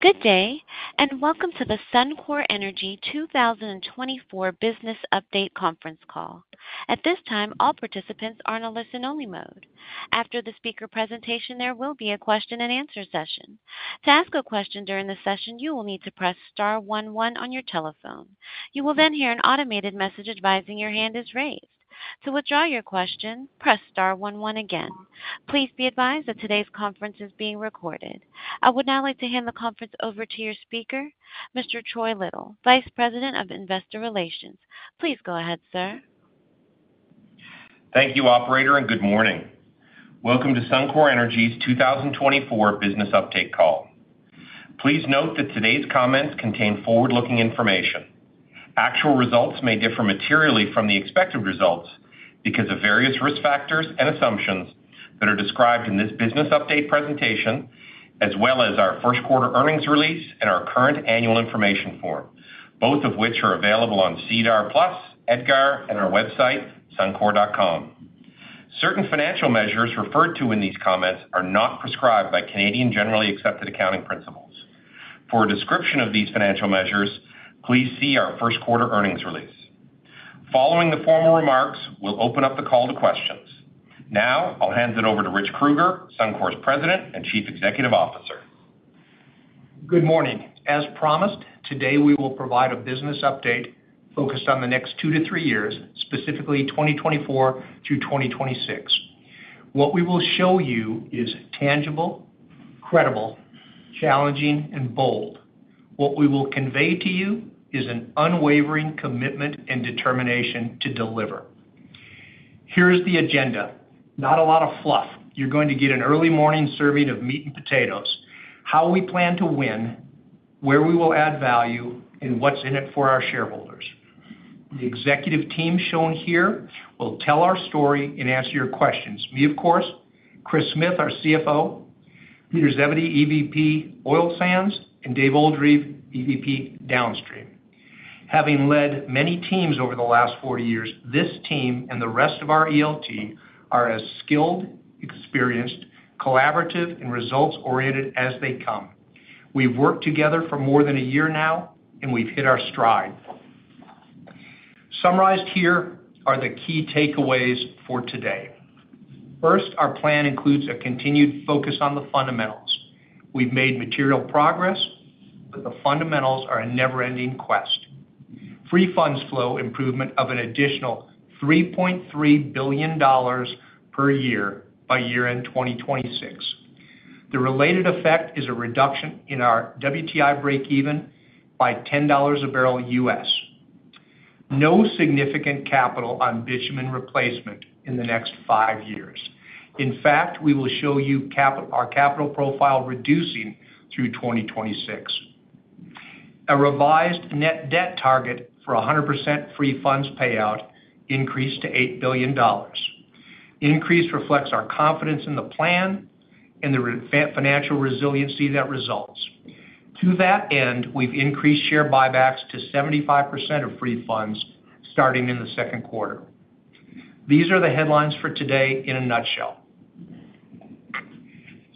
Good day, and welcome to the Suncor Energy 2024 Business Update Conference Call. At this time, all participants are in a listen-only mode. After the speaker presentation, there will be a question-and-answer session. To ask a question during the session, you will need to press star one one on your telephone. You will then hear an automated message advising your hand is raised. To withdraw your question, press star one one again. Please be advised that today's conference is being recorded. I would now like to hand the conference over to your speaker, Mr. Troy Little, Vice President of Investor Relations. Please go ahead, sir. Thank you, operator, and good morning. Welcome to Suncor Energy's 2024 Business Update Call. Please note that today's comments contain forward-looking information. Actual results may differ materially from the expected results because of various risk factors and assumptions that are described in this business update presentation, as well as our first quarter earnings release and our current annual information form, both of which are available on SEDAR+, EDGAR, and our website, Suncor.com. Certain financial measures referred to in these comments are not prescribed by Canadian generally accepted accounting principles. For a description of these financial measures, please see our first quarter earnings release. Following the formal remarks, we'll open up the call to questions. Now, I'll hand it over to Rich Kruger, Suncor's President and Chief Executive Officer. Good morning. As promised, today, we will provide a business update focused on the next 2-3 years, specifically 2024 through 2026. What we will show you is tangible, credible, challenging, and bold. What we will convey to you is an unwavering commitment and determination to deliver. Here is the agenda. Not a lot of fluff. You're going to get an early morning serving of meat and potatoes, how we plan to win, where we will add value, and what's in it for our shareholders. The executive team shown here will tell our story and answer your questions. Me, of course, Kris Smith, our CFO, Peter Zebedee, EVP, Oil Sands, and Dave Oldreive, EVP, Downstream. Having led many teams over the last 40 years, this team and the rest of our ELT are as skilled, experienced, collaborative, and results-oriented as they come. We've worked together for more than a year now, and we've hit our stride. Summarized here are the key takeaways for today. First, our plan includes a continued focus on the fundamentals. We've made material progress, but the fundamentals are a never-ending quest. Free funds flow improvement of an additional 3.3 billion dollars per year by year-end 2026. The related effect is a reduction in our WTI breakeven by $10 a barrel U.S. No significant capital on bitumen replacement in the next five years. In fact, we will show you our capital profile reducing through 2026. A revised net debt target for 100% free funds payout increased to 8 billion dollars. Increase reflects our confidence in the plan and the financial resiliency that results. To that end, we've increased share buybacks to 75% of free funds starting in the second quarter. These are the headlines for today in a nutshell.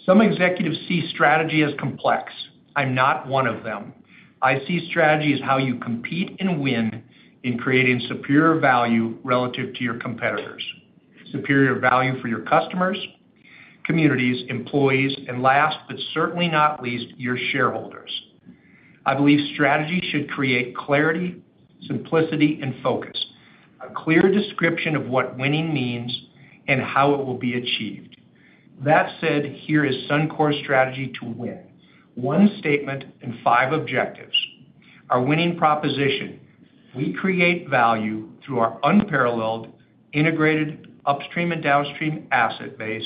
Some executives see strategy as complex. I'm not one of them. I see strategy as how you compete and win in creating superior value relative to your competitors, superior value for your customers, communities, employees, and last, but certainly not least, your shareholders. I believe strategy should create clarity, simplicity, and focus, a clear description of what winning means and how it will be achieved. That said, here is Suncor's strategy to win. One statement and five objectives. Our winning proposition: We create value through our unparalleled, integrated upstream and downstream asset base,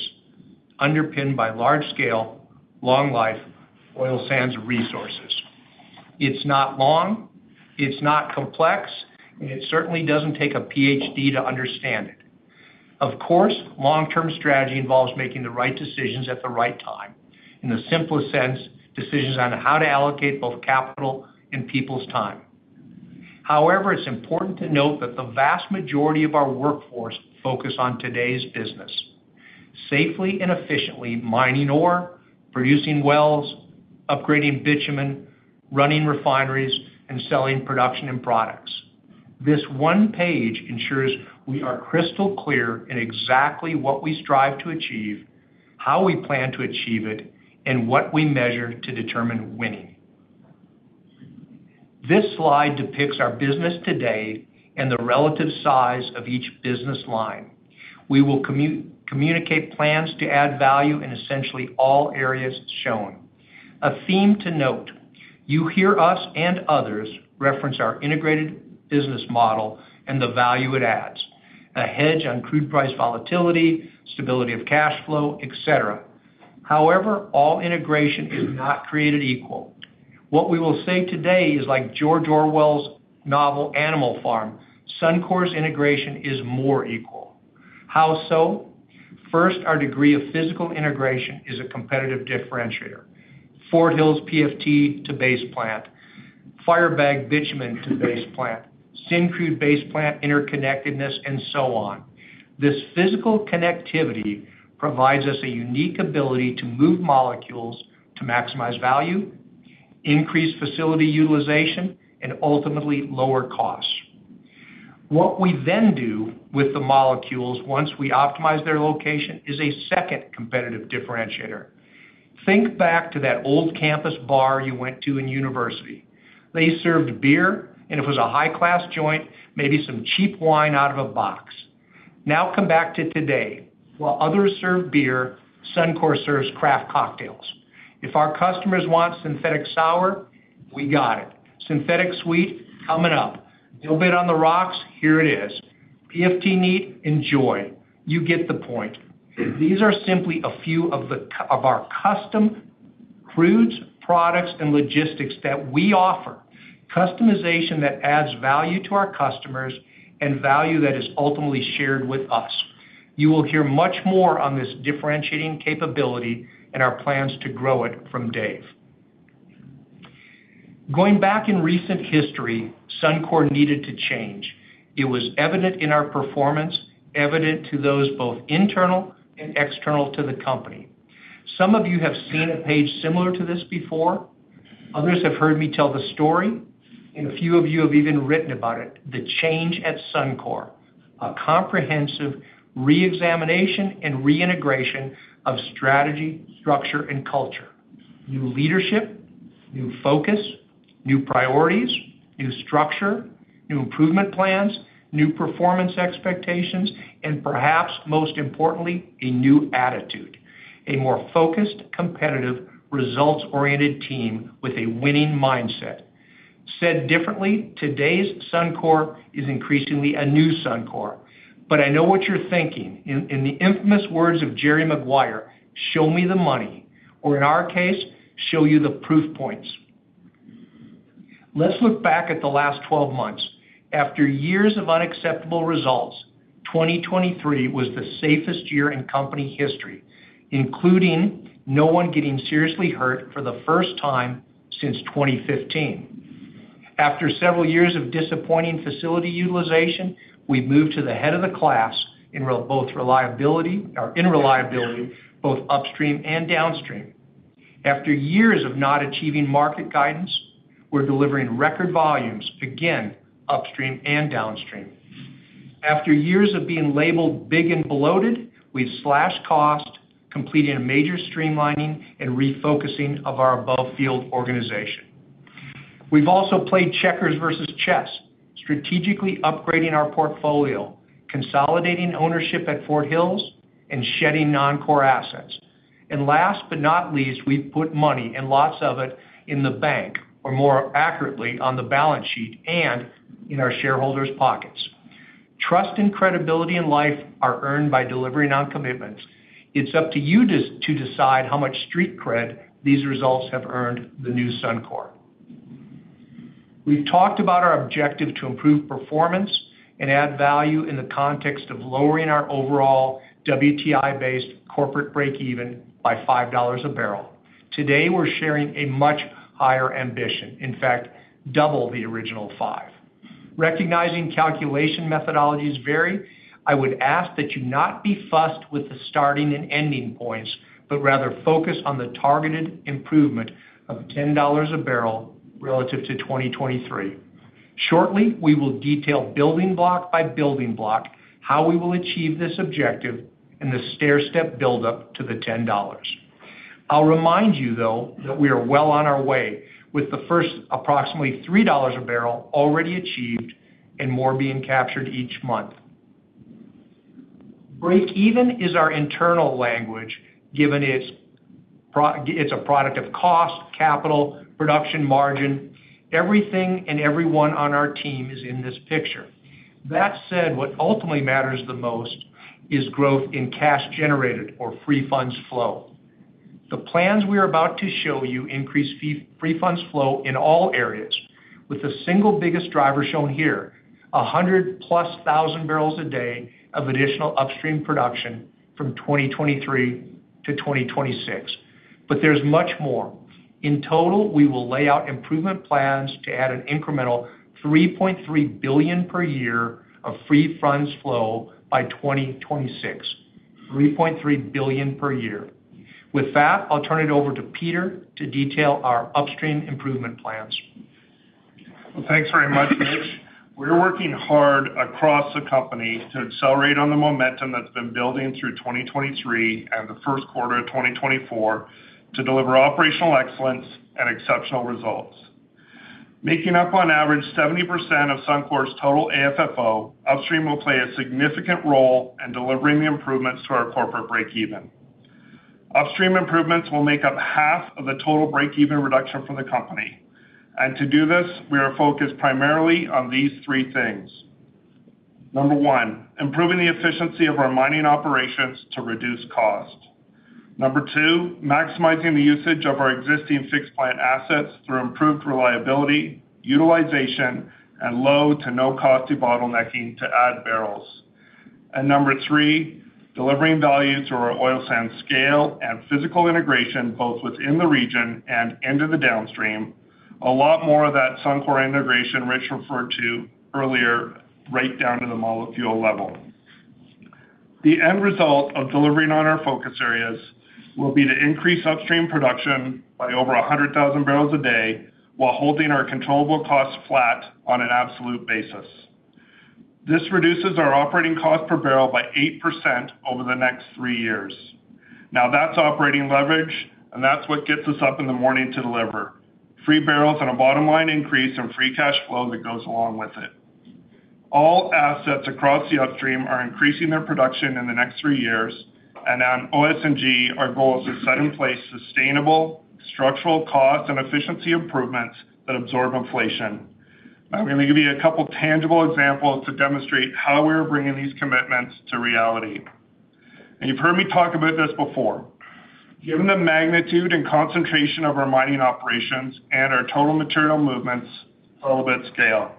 underpinned by large-scale, long-life oil sands resources. It's not long, it's not complex, and it certainly doesn't take a PhD to understand it. Of course, long-term strategy involves making the right decisions at the right time. In the simplest sense, decisions on how to allocate both capital and people's time. However, it's important to note that the vast majority of our workforce focus on today's business: safely and efficiently mining ore, producing wells, upgrading bitumen, running refineries, and selling production and products. This one page ensures we are crystal clear in exactly what we strive to achieve, how we plan to achieve it, and what we measure to determine winning. This slide depicts our business today and the relative size of each business line. We will communicate plans to add value in essentially all areas shown. A theme to note, you hear us and others reference our integrated business model and the value it adds, a hedge on crude price volatility, stability of cash flow, et cetera. However, all integration is not created equal. What we will say today is, like George Orwell's novel, Animal Farm, Suncor's integration is more equal. How so? First, our degree of physical integration is a competitive differentiator. Fort Hills PFT to Base Plant, Firebag bitumen to Base Plant, Syncrude Base Plant interconnectedness, and so on. This physical connectivity provides us a unique ability to move molecules to maximize value, increase facility utilization, and ultimately, lower costs. What we then do with the molecules once we optimize their location is a second competitive differentiator. Think back to that old campus bar you went to in university. They served beer, and if it was a high-class joint, maybe some cheap wine out of a box. Now come back to today. While others serve beer, Suncor serves craft cocktails. If our customers want Synthetic Sour, we got it. Synthetic Sweet, coming up. Dilbit on the rocks, here it is. PFT. Neat, enjoy. You get the point. These are simply a few of our custom crudes, products, and logistics that we offer, customization that adds value to our customers and value that is ultimately shared with us. You will hear much more on this differentiating capability and our plans to grow it from Dave. Going back in recent history, Suncor needed to change. It was evident in our performance, evident to those both internal and external to the company. Some of you have seen a page similar to this before, others have heard me tell the story, and a few of you have even written about it, the change at Suncor, a comprehensive reexamination and reintegration of strategy, structure, and culture, new leadership, new focus, new priorities, new structure, new improvement plans, new performance expectations, and perhaps most importantly, a new attitude, a more focused, competitive, results-oriented team with a winning mindset. Said differently, today's Suncor is increasingly a new Suncor. But I know what you're thinking. In the infamous words of Jerry Maguire, "Show me the money," or in our case, show you the proof points. Let's look back at the last 12 months. After years of unacceptable results, 2023 was the safest year in company history, including no one getting seriously hurt for the first time since 2015. After several years of disappointing facility utilization, we moved to the head of the class in reliability, both upstream and downstream. After years of not achieving market guidance, we're delivering record volumes, again, upstream and downstream. After years of being labeled big and bloated, we've slashed cost, completing a major streamlining and refocusing of our above-field organization. We've also played checkers versus chess, strategically upgrading our portfolio, consolidating ownership at Fort Hills, and shedding non-core assets. And last but not least, we've put money, and lots of it, in the bank, or more accurately, on the balance sheet and in our shareholders' pockets. Trust and credibility in life are earned by delivering on commitments. It's up to you to decide how much street cred these results have earned the new Suncor. We've talked about our objective to improve performance and add value in the context of lowering our overall WTI-based corporate breakeven by $5 a barrel. Today, we're sharing a much higher ambition, in fact, double the original 5. Recognizing calculation methodologies vary, I would ask that you not be fussed with the starting and ending points, but rather focus on the targeted improvement of $10 a barrel relative to 2023. Shortly, we will detail building block by building block, how we will achieve this objective and the stairstep buildup to the $10. I'll remind you, though, that we are well on our way with the first approximately $3 a barrel already achieved and more being captured each month. Breakeven is our internal language, given it's a product of cost, capital, production, margin. Everything and everyone on our team is in this picture. That said, what ultimately matters the most is growth in cash generated or free funds flow. The plans we are about to show you increase free funds flow in all areas, with the single biggest driver shown here, 100+ thousand barrels a day of additional upstream production from 2023-2026. But there's much more. In total, we will lay out improvement plans to add an incremental 3.3 billion per year of free funds flow by 2026, 3.3 billion per year. With that, I'll turn it over to Peter to detail our upstream improvement plans. Well, thanks very much, Rich. We're working hard across the company to accelerate on the momentum that's been building through 2023 and the first quarter of 2024 to deliver operational excellence and exceptional results. Making up on average, 70% of Suncor's total AFFO, upstream will play a significant role in delivering the improvements to our corporate breakeven. Upstream improvements will make up half of the total breakeven reduction for the company. And to do this, we are focused primarily on these three things: Number one, improving the efficiency of our mining operations to reduce cost. Number two, maximizing the usage of our existing fixed plant assets through improved reliability, utilization, and low- to no-cost bottlenecking to add barrels. And Number three, delivering value to our oil sands scale and physical integration, both within the region and into the downstream. A lot more of that Suncor integration Rich referred to earlier, right down to the molecule level. The end result of delivering on our focus areas will be to increase Upstream production by over 100,000 barrels a day, while holding our controllable costs flat on an absolute basis. This reduces our operating cost per barrel by 8% over the next three years. Now, that's operating leverage, and that's what gets us up in the morning to deliver. Free barrels and a bottom-line increase in free cash flow that goes along with it. All assets across the Upstream are increasing their production in the next three years, and on OS&G, our goal is to set in place sustainable structural cost and efficiency improvements that absorb inflation. I'm gonna give you a couple tangible examples to demonstrate how we are bringing these commitments to reality. You've heard me talk about this before. Given the magnitude and concentration of our mining operations and our total material movements, it's all about scale.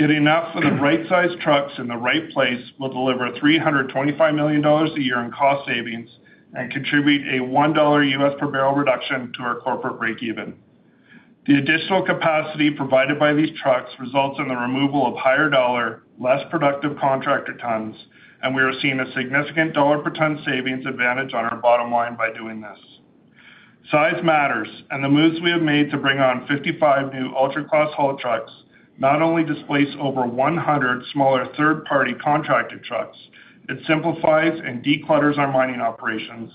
Getting enough of the right size trucks in the right place will deliver $325 million a year in cost savings and contribute a $1 per barrel reduction to our corporate breakeven. The additional capacity provided by these trucks results in the removal of higher dollar, less productive contractor tons, and we are seeing a significant dollar per ton savings advantage on our bottom line by doing this. Size matters, and the moves we have made to bring on 55 new ultra class haul trucks, not only displace over 100 smaller third-party contracted trucks, it simplifies and declutters our mining operations,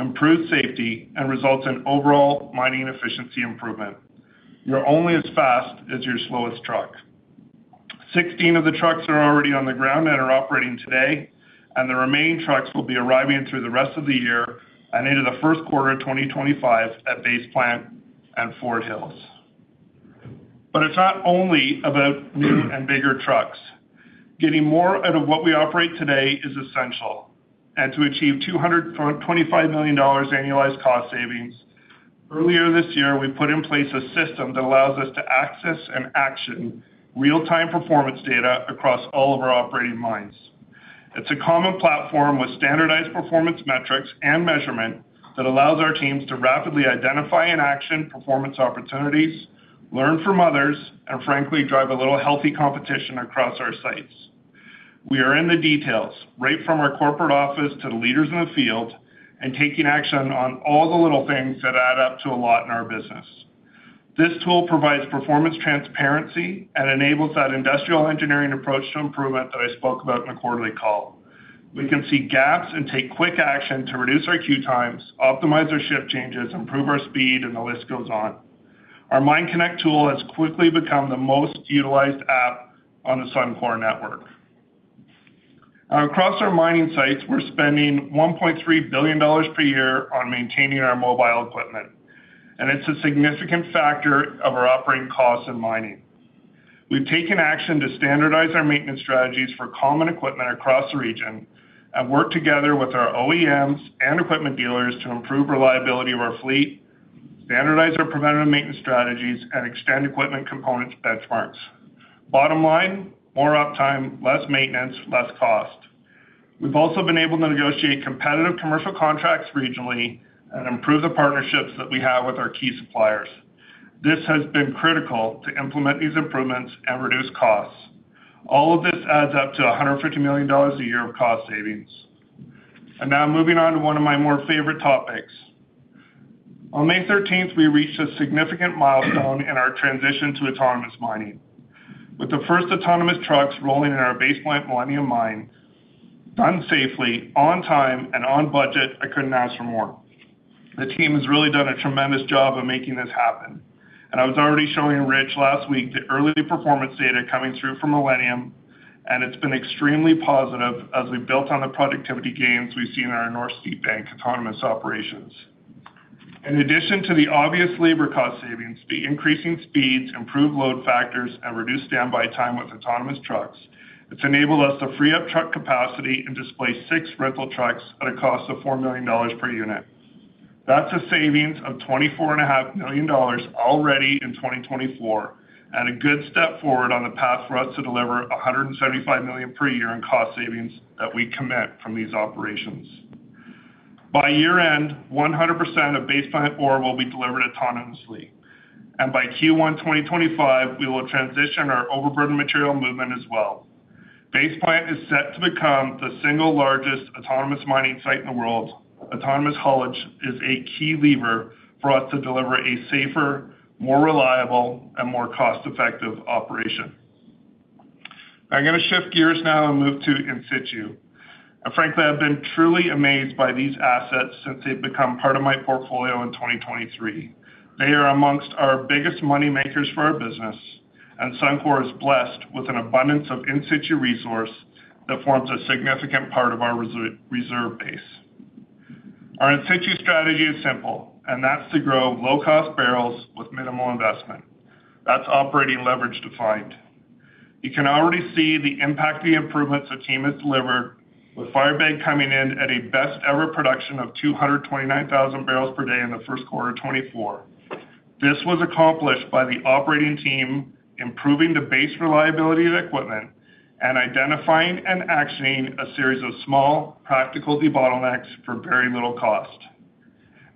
improves safety, and results in overall mining efficiency improvement. You're only as fast as your slowest truck. 16 of the trucks are already on the ground and are operating today, and the remaining trucks will be arriving through the rest of the year and into the first quarter of 2025 at Base Plant and Fort Hills. But it's not only about new and bigger trucks. Getting more out of what we operate today is essential, and to achieve 225 million dollars annualized cost savings, earlier this year, we put in place a system that allows us to access and action real-time performance data across all of our operating mines. It's a common platform with standardized performance metrics and measurement that allows our teams to rapidly identify and action performance opportunities, learn from others, and frankly, drive a little healthy competition across our sites. We are in the details, right from our corporate office to the leaders in the field, and taking action on all the little things that add up to a lot in our business. This tool provides performance transparency and enables that industrial engineering approach to improvement that I spoke about in the quarterly call. We can see gaps and take quick action to reduce our queue times, optimize our shift changes, improve our speed, and the list goes on. Our MineConnect tool has quickly become the most utilized app on the Suncor network. Now, across our mining sites, we're spending 1.3 billion dollars per year on maintaining our mobile equipment, and it's a significant factor of our operating costs in mining. We've taken action to standardize our maintenance strategies for common equipment across the region and work together with our OEMs and equipment dealers to improve reliability of our fleet, standardize our preventative maintenance strategies, and extend equipment components benchmarks. Bottom line, more uptime, less maintenance, less cost. We've also been able to negotiate competitive commercial contracts regionally and improve the partnerships that we have with our key suppliers. This has been critical to implement these improvements and reduce costs. All of this adds up to 150 million dollars a year of cost savings. Now moving on to one of my more favorite topics. On May 13th, we reached a significant milestone in our transition to autonomous mining. With the first autonomous trucks rolling in our Base Plant Millennium Mine, done safely, on time, and on budget, I couldn't ask for more. The team has really done a tremendous job of making this happen, and I was already showing Rich last week the early performance data coming through from Millennium, and it's been extremely positive as we've built on the productivity gains we've seen in our North Steepbank autonomous operations. In addition to the obvious labor cost savings, the increasing speeds, improved load factors, and reduced standby time with autonomous trucks, it's enabled us to free up truck capacity and displace 6 rental trucks at a cost of 4 million dollars per unit. That's a savings of 24.5 million dollars already in 2024, and a good step forward on the path for us to deliver 175 million per year in cost savings that we commit from these operations. By year-end, 100% of Base Plant ore will be delivered autonomously, and by Q1 2025, we will transition our overburden material movement as well. Base Plant is set to become the single largest autonomous mining site in the world. Autonomous haulage is a key lever for us to deliver a safer, more reliable, and more cost-effective operation. I'm gonna shift gears now and move to In Situ. Frankly, I've been truly amazed by these assets since they've become part of my portfolio in 2023. They are among our biggest money makers for our business, and Suncor is blessed with an abundance of In Situ resource that forms a significant part of our reserve base. Our In Situ strategy is simple, and that's to grow low-cost barrels with minimal investment. That's operating leverage defined. You can already see the impact the improvements the team has delivered, with Firebag coming in at a best-ever production of 229,000 barrels per day in the first quarter of 2024. This was accomplished by the operating team, improving the base reliability of equipment, and identifying and actioning a series of small, practical debottlenecks for very little cost.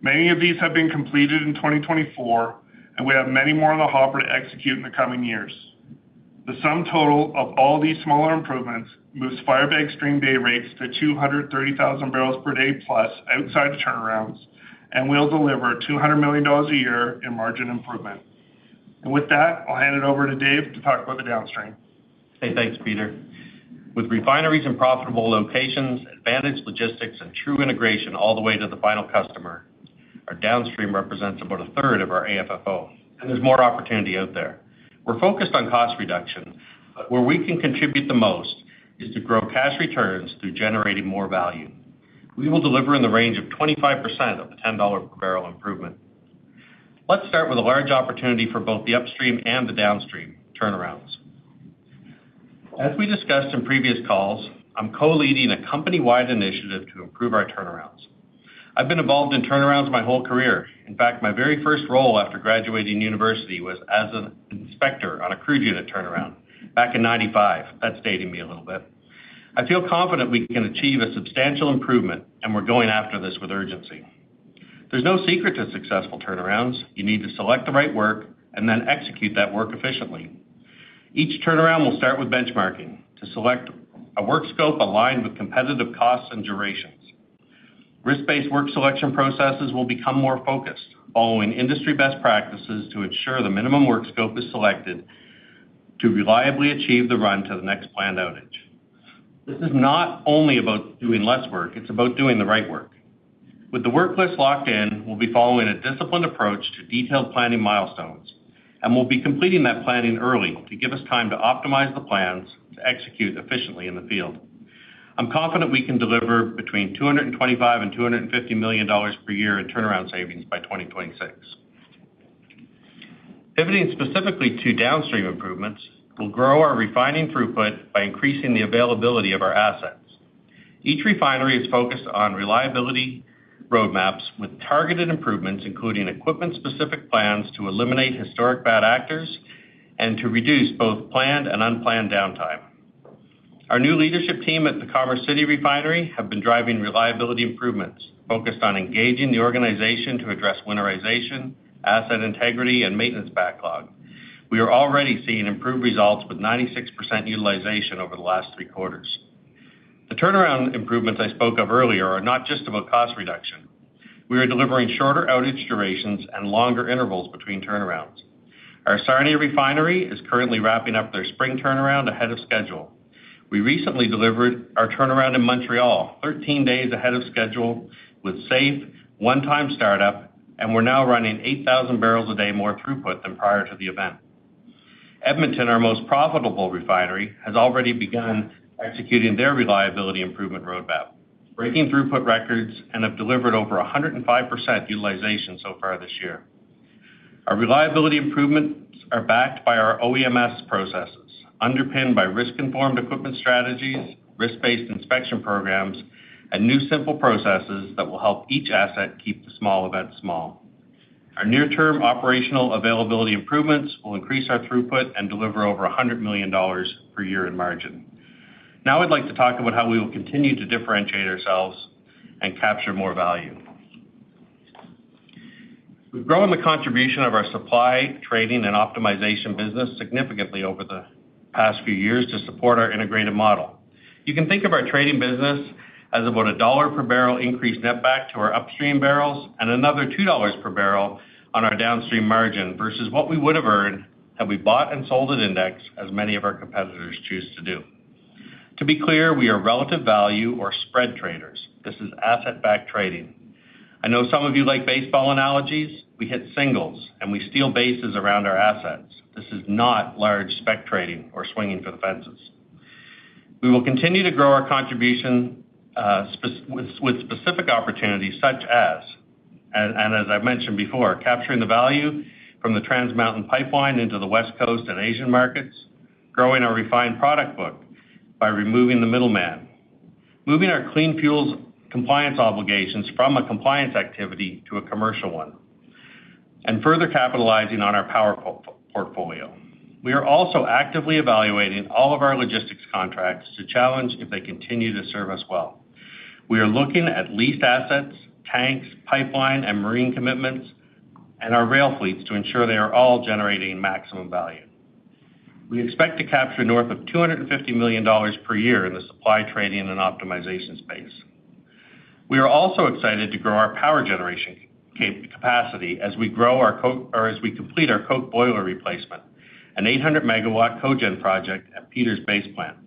Many of these have been completed in 2024, and we have many more in the hopper to execute in the coming years. The sum total of all these smaller improvements moves Firebag stream day rates to 230,000 barrels per day plus outside of turnarounds, and will deliver $200 million a year in margin improvement. And with that, I'll hand it over to Dave to talk about the downstream. Hey, thanks, Peter. With refineries in profitable locations, advantage, logistics, and true integration all the way to the final customer, our downstream represents about a third of our AFFO, and there's more opportunity out there. We're focused on cost reduction, but where we can contribute the most is to grow cash returns through generating more value. We will deliver in the range of 25% of the $10 per barrel improvement. Let's start with a large opportunity for both the upstream and the downstream turnarounds. As we discussed in previous calls, I'm co-leading a company-wide initiative to improve our turnarounds. I've been involved in turnarounds my whole career. In fact, my very first role after graduating university was as an inspector on a crude unit turnaround back in 1995. That's dating me a little bit. I feel confident we can achieve a substantial improvement, and we're going after this with urgency. There's no secret to successful turnarounds. You need to select the right work and then execute that work efficiently. Each turnaround will start with benchmarking to select a work scope aligned with competitive costs and durations. Risk-based work selection processes will become more focused, following industry best practices to ensure the minimum work scope is selected to reliably achieve the run to the next planned outage. This is not only about doing less work, it's about doing the right work. With the work list locked in, we'll be following a disciplined approach to detailed planning milestones, and we'll be completing that planning early to give us time to optimize the plans to execute efficiently in the field. I'm confident we can deliver between 225 million and 250 million dollars per year in turnaround savings by 2026. Pivoting specifically to downstream improvements, we'll grow our refining throughput by increasing the availability of our assets. Each refinery is focused on reliability roadmaps with targeted improvements, including equipment-specific plans, to eliminate historic bad actors and to reduce both planned and unplanned downtime. Our new leadership team at the Commerce City Refinery have been driving reliability improvements, focused on engaging the organization to address winterization, asset integrity, and maintenance backlog. We are already seeing improved results with 96% utilization over the last three quarters. The turnaround improvements I spoke of earlier are not just about cost reduction. We are delivering shorter outage durations and longer intervals between turnarounds. Our Sarnia Refinery is currently wrapping up their spring turnaround ahead of schedule. We recently delivered our turnaround in Montreal, 13 days ahead of schedule, with safe, one-time startup, and we're now running 8,000 barrels a day more throughput than prior to the event. Edmonton, our most profitable refinery, has already begun executing their reliability improvement roadmap, breaking throughput records, and have delivered over 105% utilization so far this year. Our reliability improvements are backed by our OEMS processes, underpinned by risk-informed equipment strategies, risk-based inspection programs, and new simple processes that will help each asset keep the small events small. Our near-term operational availability improvements will increase our throughput and deliver over 100 million dollars per year in margin. Now, I'd like to talk about how we will continue to differentiate ourselves and capture more value. We've grown the contribution of our supply, trading, and optimization business significantly over the past few years to support our integrated model. You can think of our trading business as about $1 per barrel increased net back to our upstream barrels and another $2 per barrel on our downstream margin versus what we would have earned had we bought and sold an index, as many of our competitors choose to do. To be clear, we are relative value or spread traders. This is asset-backed trading. I know some of you like baseball analogies. We hit singles, and we steal bases around our assets. This is not large spec trading or swinging for the fences. We will continue to grow our contribution with specific opportunities, such as, as I've mentioned before, capturing the value from the Trans Mountain pipeline into the West Coast and Asian markets, growing our refined product book by removing the middleman, moving our clean fuels compliance obligations from a compliance activity to a commercial one, and further capitalizing on our power portfolio. We are also actively evaluating all of our logistics contracts to challenge if they continue to serve us well. We are looking at leased assets, tanks, pipeline, and marine commitments, and our rail fleets to ensure they are all generating maximum value. We expect to capture North of 250 million dollars per year in the supply, trading, and optimization space. We are also excited to grow our power generation capacity as we grow our coke or as we complete our coke boiler replacement, an 800-megawatt cogen project at Peter's Base Plant.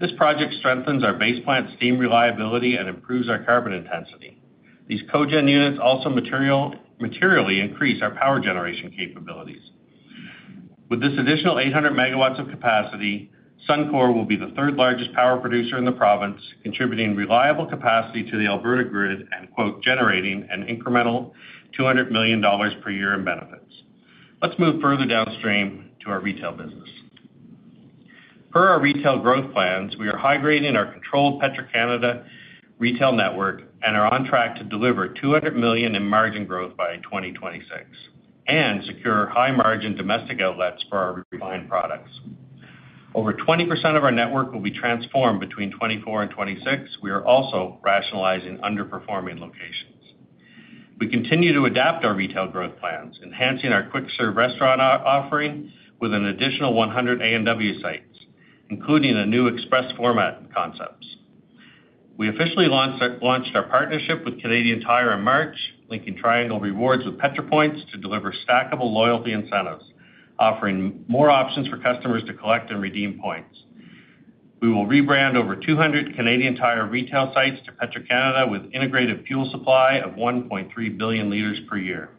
This project strengthens our Base Plant steam reliability and improves our carbon intensity. These cogen units also materially increase our power generation capabilities. With this additional 800 megawatts of capacity, Suncor will be the third-largest power producer in the province, contributing reliable capacity to the Alberta grid and, quote, "generating an incremental 200 million dollars per year in benefits." Let's move further downstream to our retail business. Per our retail growth plans, we are high-grading our controlled Petro-Canada retail network and are on track to deliver 200 million in margin growth by 2026, and secure high-margin domestic outlets for our refined products. Over 20% of our network will be transformed between 2024 and 2026. We are also rationalizing underperforming locations. We continue to adapt our retail growth plans, enhancing our quick-serve restaurant offering with an additional 100 A&W sites, including a new express format and concepts. We officially launched our partnership with Canadian Tire in March, linking Triangle Rewards with Petro-Points to deliver stackable loyalty incentives, offering more options for customers to collect and redeem points. We will rebrand over 200 Canadian Tire retail sites to Petro-Canada, with integrated fuel supply of 1.3 billion liters per year.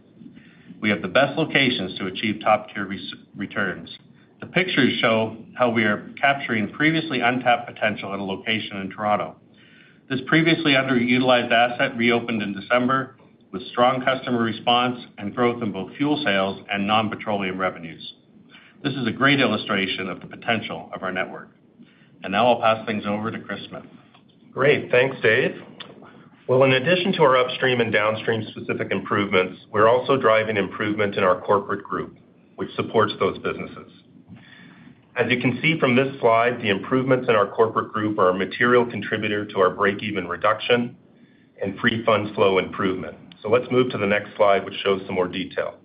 We have the best locations to achieve top-tier returns. The pictures show how we are capturing previously untapped potential at a location in Toronto. This previously underutilized asset reopened in December with strong customer response and growth in both fuel sales and non-petroleum revenues. This is a great illustration of the potential of our network. Now I'll pass things over to Kris Smith. Great. Thanks, Dave. Well, in addition to our upstream and downstream-specific improvements, we're also driving improvement in our corporate group, which supports those businesses. As you can see from this slide, the improvements in our corporate group are a material contributor to our break-even reduction and free funds flow improvement. So let's move to the next slide, which shows some more detail.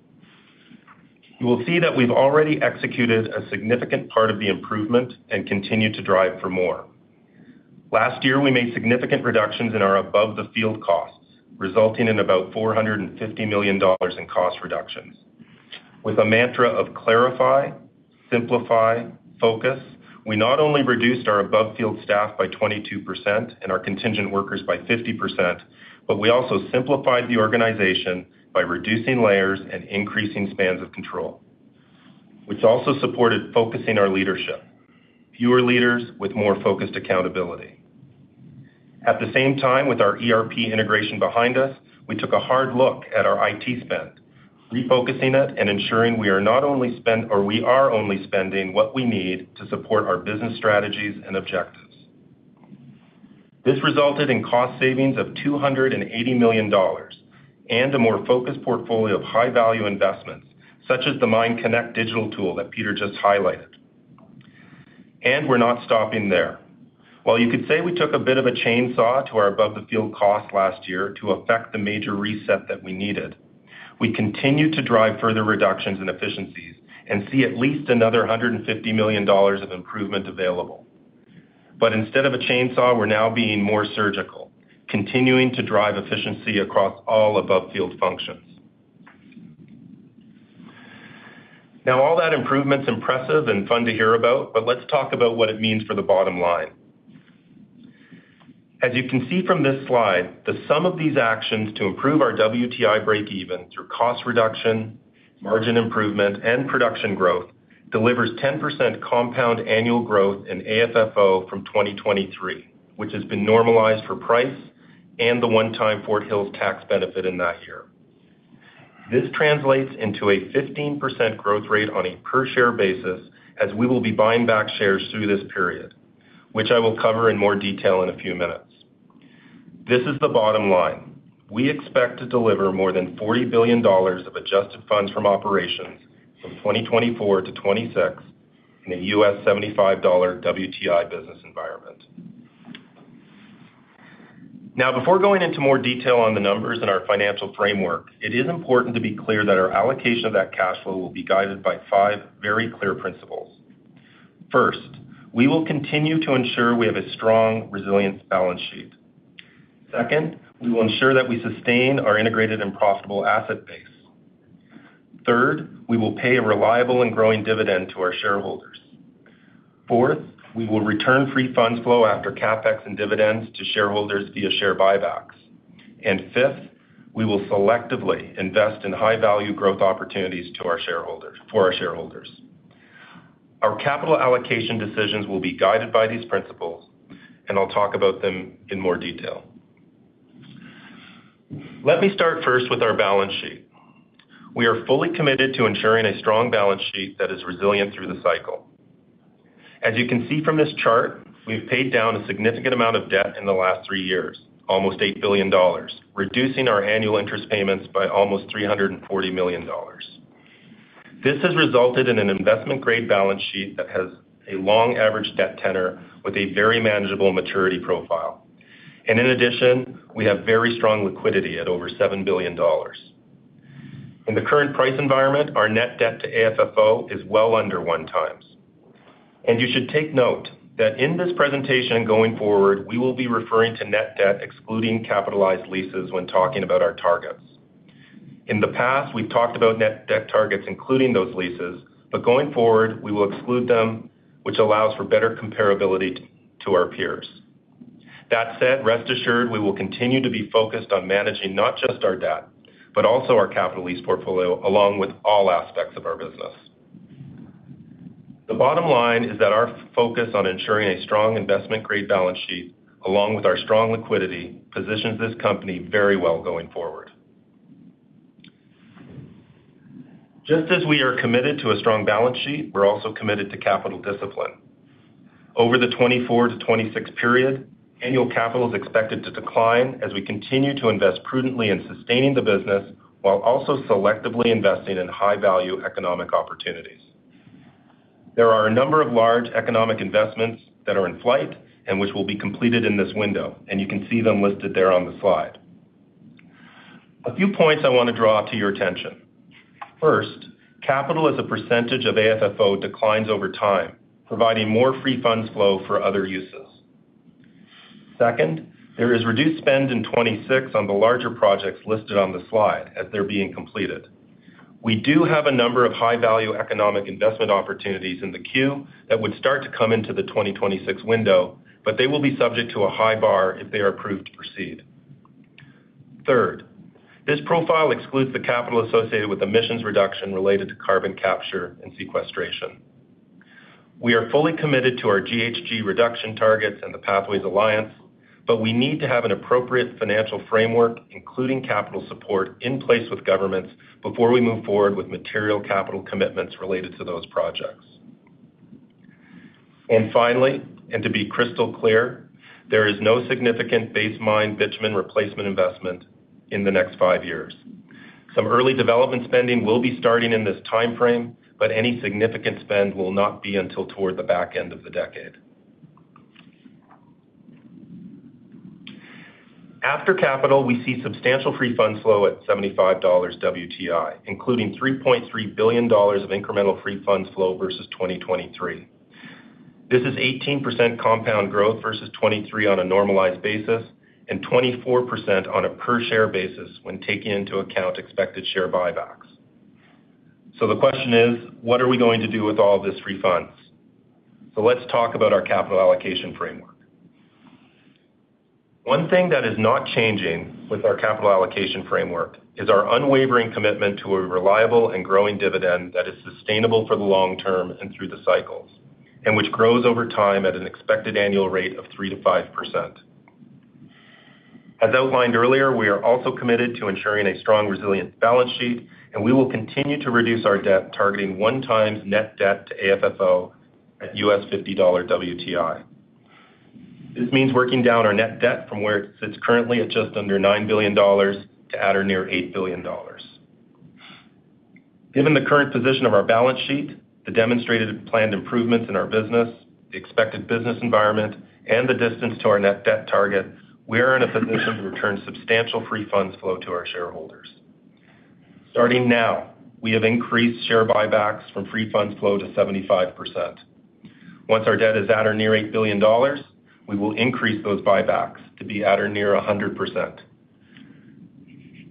You will see that we've already executed a significant part of the improvement and continue to drive for more. Last year, we made significant reductions in our above-field costs, resulting in about 450 million dollars in cost reductions. With a mantra of clarify, simplify, focus, we not only reduced our above-field staff by 22% and our contingent workers by 50%, but we also simplified the organization by reducing layers and increasing spans of control, which also supported focusing our leadership. Fewer leaders with more focused accountability. At the same time, with our ERP integration behind us, we took a hard look at our IT spend, refocusing it and ensuring we are only spending what we need to support our business strategies and objectives. This resulted in cost savings of 280 million dollars and a more focused portfolio of high-value investments, such as the MineConnect digital tool that Peter just highlighted. We're not stopping there. While you could say we took a bit of a chainsaw to our above-the-field cost last year to effect the major reset that we needed, we continued to drive further reductions and efficiencies and see at least another 150 million dollars of improvement available. But instead of a chainsaw, we're now being more surgical, continuing to drive efficiency across all above-field functions. Now, all that improvement's impressive and fun to hear about, but let's talk about what it means for the bottom line. As you can see from this slide, the sum of these actions to improve our WTI breakeven through cost reduction, margin improvement, and production growth delivers 10% compound annual growth in AFFO from 2023, which has been normalized for price and the one-time Fort Hills tax benefit in that year. This translates into a 15% growth rate on a per-share basis, as we will be buying back shares through this period, which I will cover in more detail in a few minutes. This is the bottom line: We expect to deliver more than $40 billion of adjusted funds from operations from 2024 to 2026 in a $75 WTI business environment. Now, before going into more detail on the numbers in our financial framework, it is important to be clear that our allocation of that cash flow will be guided by five very clear principles. First, we will continue to ensure we have a strong, resilient balance sheet. Second, we will ensure that we sustain our integrated and profitable asset base. Third, we will pay a reliable and growing dividend to our shareholders. Fourth, we will return Free Funds Flow after CapEx and dividends to shareholders via share buybacks. And fifth, we will selectively invest in high-value growth opportunities to our shareholders, for our shareholders. Our capital allocation decisions will be guided by these principles, and I'll talk about them in more detail. Let me start first with our balance sheet. We are fully committed to ensuring a strong balance sheet that is resilient through the cycle. As you can see from this chart, we've paid down a significant amount of debt in the last three years, almost 8 billion dollars, reducing our annual interest payments by almost 340 million dollars. This has resulted in an investment-grade balance sheet that has a long average debt tenor with a very manageable maturity profile. In addition, we have very strong liquidity at over 7 billion dollars. In the current price environment, our net debt to AFFO is well under 1x. You should take note that in this presentation going forward, we will be referring to net debt, excluding capitalized leases, when talking about our targets. In the past, we've talked about net debt targets, including those leases, but going forward, we will exclude them, which allows for better comparability to our peers. That said, rest assured, we will continue to be focused on managing not just our debt, but also our capital lease portfolio, along with all aspects of our business. The bottom line is that our focus on ensuring a strong investment-grade balance sheet, along with our strong liquidity, positions this company very well going forward. Just as we are committed to a strong balance sheet, we're also committed to capital discipline. Over the 2024-2026 period, annual capital is expected to decline as we continue to invest prudently in sustaining the business, while also selectively investing in high-value economic opportunities. There are a number of large economic investments that are in flight and which will be completed in this window, and you can see them listed there on the slide. A few points I want to draw to your attention. First, capital as a percentage of AFFO declines over time, providing more free funds flow for other uses. Second, there is reduced spend in 2026 on the larger projects listed on the slide as they're being completed. We do have a number of high-value economic investment opportunities in the queue that would start to come into the 2026 window, but they will be subject to a high bar if they are approved to proceed. Third, this profile excludes the capital associated with emissions reduction related to carbon capture and sequestration. We are fully committed to our GHG reduction targets and the Pathways Alliance, but we need to have an appropriate financial framework, including capital support, in place with governments before we move forward with material capital commitments related to those projects. And finally, and to be crystal clear, there is no significant Base Mine bitumen replacement investment in the next 5 years. Some early development spending will be starting in this timeframe, but any significant spend will not be until toward the back end of the decade. After capital, we see substantial free funds flow at $75 WTI, including $3.3 billion of incremental free funds flow versus 2023. This is 18% compound growth versus 2023 on a normalized basis and 24% on a per-share basis when taking into account expected share buybacks. So the question is: What are we going to do with all of this free funds? So let's talk about our capital allocation framework. One thing that is not changing with our capital allocation framework is our unwavering commitment to a reliable and growing dividend that is sustainable for the long term and through the cycles, and which grows over time at an expected annual rate of 3%-5%. As outlined earlier, we are also committed to ensuring a strong, resilient balance sheet, and we will continue to reduce our debt, targeting 1x net debt to AFFO at $50 WTI. This means working down our net debt from where it sits currently at just under $9 billion to at or near $8 billion. Given the current position of our balance sheet, the demonstrated planned improvements in our business, the expected business environment, and the distance to our net debt target, we are in a position to return substantial free funds flow to our shareholders. Starting now, we have increased share buybacks from free funds flow to 75%. Once our debt is at or near 8 billion dollars, we will increase those buybacks to be at or near 100%.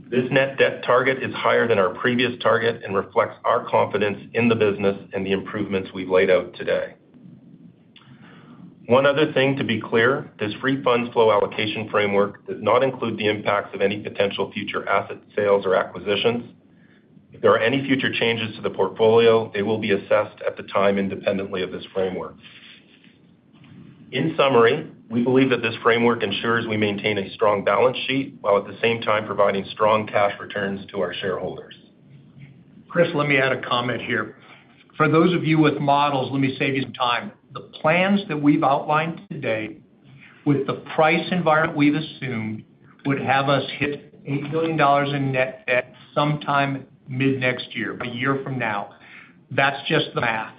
This net debt target is higher than our previous target and reflects our confidence in the business and the improvements we've laid out today. One other thing to be clear, this free funds flow allocation framework does not include the impacts of any potential future asset sales or acquisitions. If there are any future changes to the portfolio, they will be assessed at the time independently of this framework. In summary, we believe that this framework ensures we maintain a strong balance sheet, while at the same time providing strong cash returns to our shareholders. Kris, let me add a comment here. For those of you with models, let me save you some time. The plans that we've outlined today, with the price environment we've assumed, would have us hit 8 billion dollars in net debt sometime mid-next year, about a year from now. That's just the math.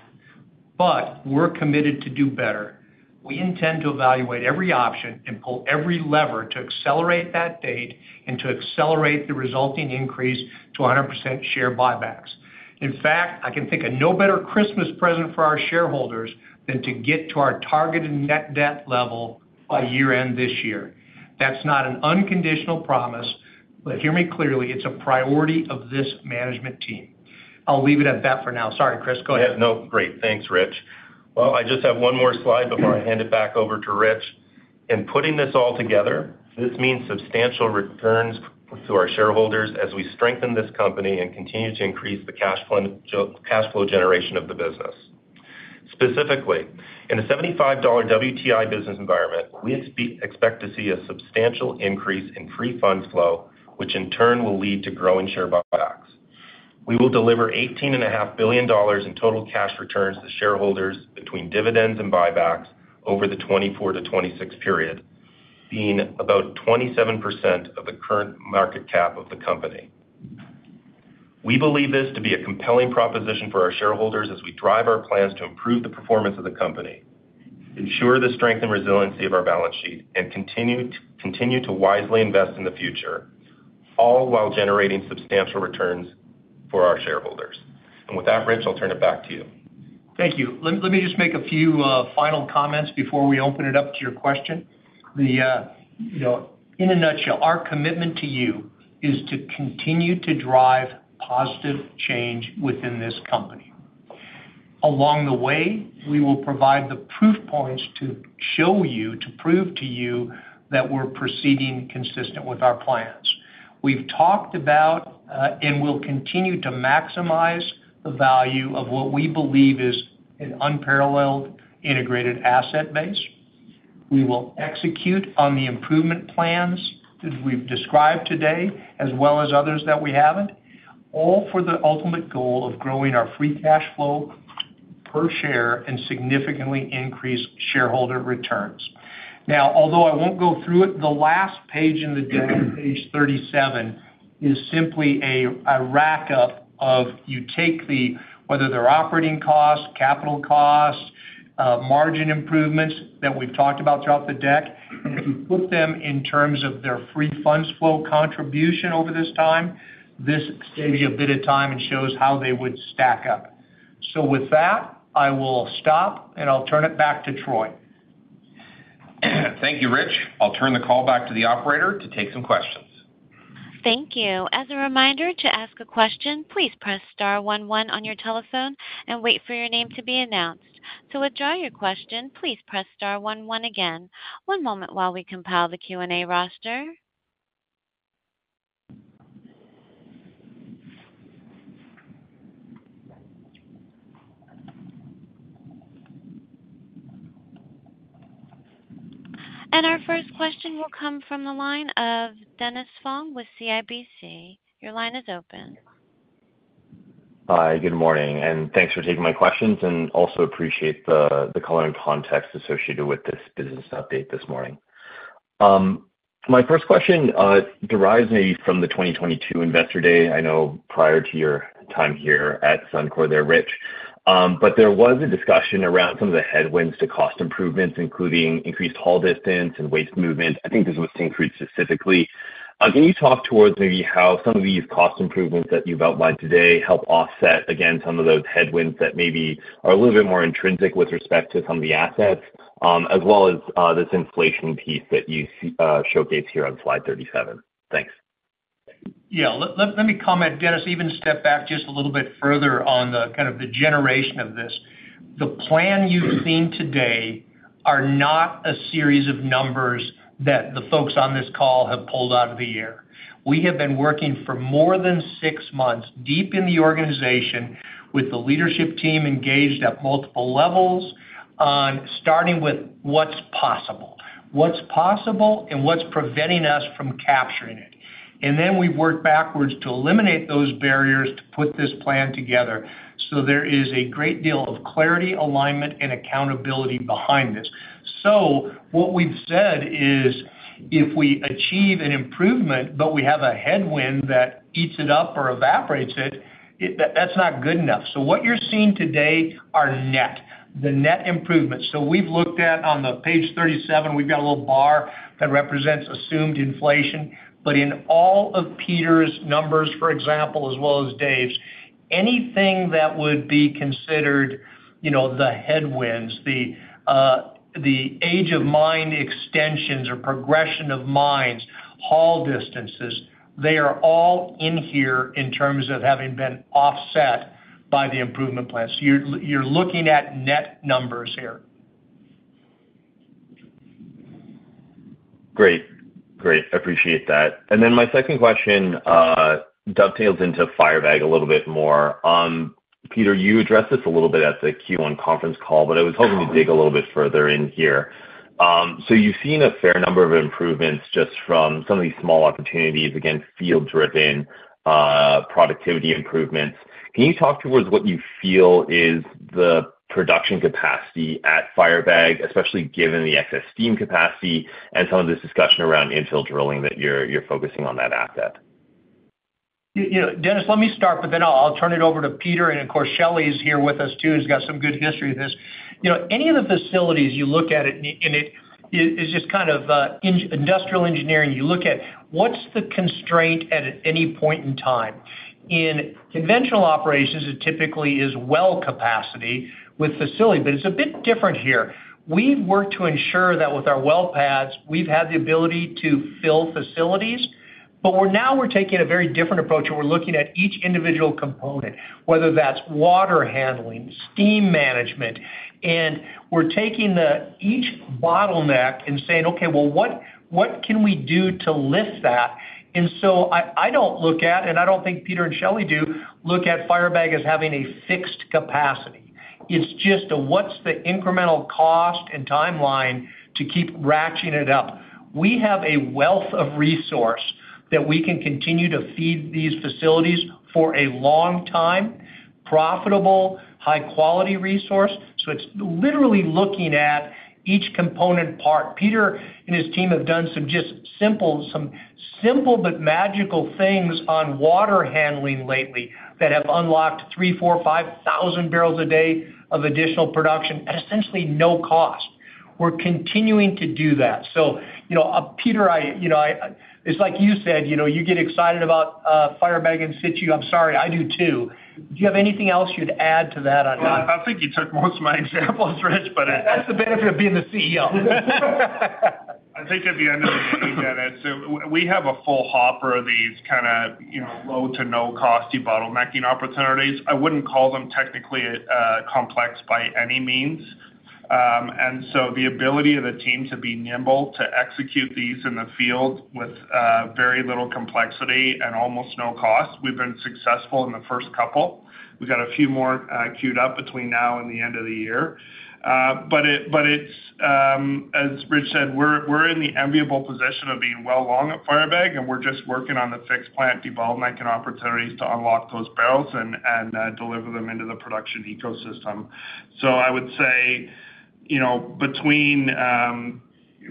But we're committed to do better. We intend to evaluate every option and pull every lever to accelerate that date and to accelerate the resulting increase to 100% share buybacks. In fact, I can think of no better Christmas present for our shareholders than to get to our targeted net debt level by year-end this year. That's not an unconditional promise, but hear me clearly, it's a priority of this management team. I'll leave it at that for now. Sorry, Kris, go ahead. No, great. Thanks, Rich. Well, I just have one more slide before I hand it back over to Rich. In putting this all together, this means substantial returns to our shareholders as we strengthen this company and continue to increase the cash flow generation of the business. Specifically, in a $75 WTI business environment, we expect to see a substantial increase in free funds flow, which in turn will lead to growing share buybacks. We will deliver $18.5 billion in total cash returns to shareholders between dividends and buybacks over the 2024-2026 period, being about 27% of the current market cap of the company. We believe this to be a compelling proposition for our shareholders as we drive our plans to improve the performance of the company, ensure the strength and resiliency of our balance sheet, and continue to wisely invest in the future, all while generating substantial returns for our shareholders. With that, Rich, I'll turn it back to you. Thank you. Let me just make a few final comments before we open it up to your question. You know, in a nutshell, our commitment to you is to continue to drive positive change within this company. Along the way, we will provide the proof points to show you, to prove to you, that we're proceeding consistent with our plans. We've talked about and we'll continue to maximize the value of what we believe is an unparalleled integrated asset base.... We will execute on the improvement plans that we've described today, as well as others that we haven't, all for the ultimate goal of growing our free cash flow per share and significantly increase shareholder returns. Now, although I won't go through it, the last page in the deck, page 37, is simply a rack up of you take the—whether they're operating costs, capital costs, margin improvements that we've talked about throughout the deck, and if you put them in terms of their Free Funds Flow contribution over this time, this save you a bit of time and shows how they would stack up. So with that, I will stop, and I'll turn it back to Troy. Thank you, Rich. I'll turn the call back to the operator to take some questions. Thank you. As a reminder, to ask a question, please press star one one on your telephone and wait for your name to be announced. To withdraw your question, please press star one one again. One moment while we compile the Q&A roster. Our first question will come from the line of Dennis Fong with CIBC. Your line is open. Hi, good morning, and thanks for taking my questions, and also appreciate the color and context associated with this business update this morning. My first question derives maybe from the 2022 Investor Day. I know prior to your time here at Suncor there, Rich. But there was a discussion around some of the headwinds to cost improvements, including increased haul distance and waste movement. I think this was increased specifically. Can you talk towards maybe how some of these cost improvements that you've outlined today help offset, again, some of those headwinds that maybe are a little bit more intrinsic with respect to some of the assets, as well as this inflation piece that you showcase here on slide 37? Thanks. Yeah, let me comment, Dennis, even step back just a little bit further on the kind of the generation of this. The plan you've seen today are not a series of numbers that the folks on this call have pulled out of the air. We have been working for more than six months, deep in the organization, with the leadership team engaged at multiple levels on starting with what's possible. What's possible and what's preventing us from capturing it. And then we've worked backwards to eliminate those barriers to put this plan together. So there is a great deal of clarity, alignment, and accountability behind this. So what we've said is, if we achieve an improvement, but we have a headwind that eats it up or evaporates it, it, that's not good enough. So what you're seeing today are net, the net improvements. So we've looked at on the page 37, we've got a little bar that represents assumed inflation. But in all of Peter's numbers, for example, as well as Dave's, anything that would be considered, you know, the headwinds, the, the age of mine extensions or progression of mines, haul distances, they are all in here in terms of having been offset by the improvement plan. So you're, you're looking at net numbers here. Great. Great, I appreciate that. And then my second question dovetails into Firebag a little bit more. Peter, you addressed this a little bit at the Q1 conference call, but I was hoping to dig a little bit further in here. So you've seen a fair number of improvements just from some of these small opportunities, again, field-driven productivity improvements. Can you talk towards what you feel is the production capacity at Firebag, especially given the excess steam capacity and some of this discussion around infill drilling that you're focusing on that asset? You know, Dennis, let me start, but then I'll turn it over to Peter, and of course, Shelley is here with us, too. He's got some good history of this. You know, any of the facilities you look at it, and it is just kind of industrial engineering. You look at what's the constraint at any point in time. In conventional operations, it typically is well capacity with facility, but it's a bit different here. We've worked to ensure that with our well paths, we've had the ability to fill facilities, but we're now taking a very different approach, and we're looking at each individual component, whether that's water handling, steam management, and we're taking each bottleneck and saying, "Okay, well, what can we do to lift that?" And so I don't look at, and I don't think Peter and Shelley do, look at Firebag as having a fixed capacity. It's just, what's the incremental cost and timeline to keep ratcheting it up? We have a wealth of resource that we can continue to feed these facilities for a long time, profitable, high-quality resource, so it's literally looking at each component part. Peter and his team have done some simple but magical things on water handling lately that have unlocked 3,000-5,000 barrels a day of additional production at essentially no cost. We're continuing to do that. So you know, Peter, it's like you said, you know, you get excited about Firebag and in situ. I'm sorry, I do too. Do you have anything else you'd add to that on that? No, I think you took most of my examples, Rich, but, That's the benefit of being the CEO. I think at the end of the day, Dennis, we have a full hopper of these kinda, you know, low to no-cost debottlenecking opportunities. I wouldn't call them technically complex by any means. And so the ability of the team to be nimble, to execute these in the field with very little complexity and almost no cost, we've been successful in the first couple. We've got a few more queued up between now and the end of the year. But it's, as Rich said, we're in the enviable position of being well long at Firebag, and we're just working on the fixed plant development and opportunities to unlock those barrels and deliver them into the production ecosystem. So I would say, you know, between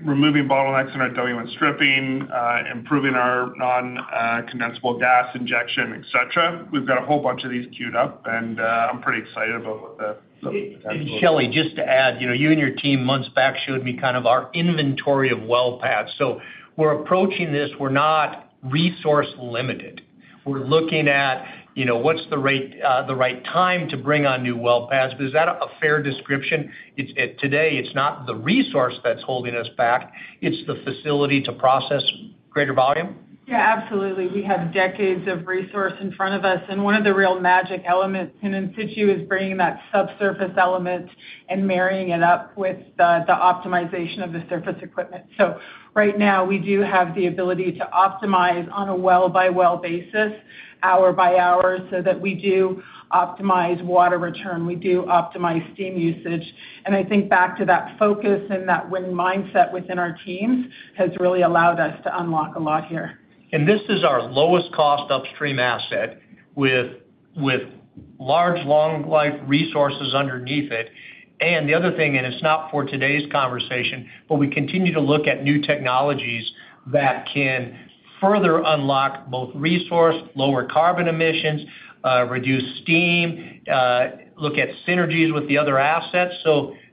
removing bottlenecks in our [WN stripping], improving our non-condensable gas injection, et cetera, we've got a whole bunch of these queued up, and I'm pretty excited about what the potential- Shelley, just to add, you know, you and your team, months back, showed me kind of our inventory of well paths. So we're approaching this, we're not resource-limited. We're looking at, you know, what's the rate—the right time to bring on new well paths. But is that a fair description? Today, it's not the resource that's holding us back, it's the facility to process greater volume. Yeah, absolutely. We have decades of resource in front of us, and one of the real magic elements in in situ is bringing that subsurface element and marrying it up with the optimization of the surface equipment. So right now, we do have the ability to optimize on a well-by-well basis, hour-by-hour, so that we do optimize water return, we do optimize steam usage. And I think back to that focus and that winning mindset within our teams, has really allowed us to unlock a lot here. This is our lowest cost upstream asset, with large, long life resources underneath it. The other thing, it's not for today's conversation, but we continue to look at new technologies that can further unlock both resource, lower carbon emissions, reduce steam, look at synergies with the other assets.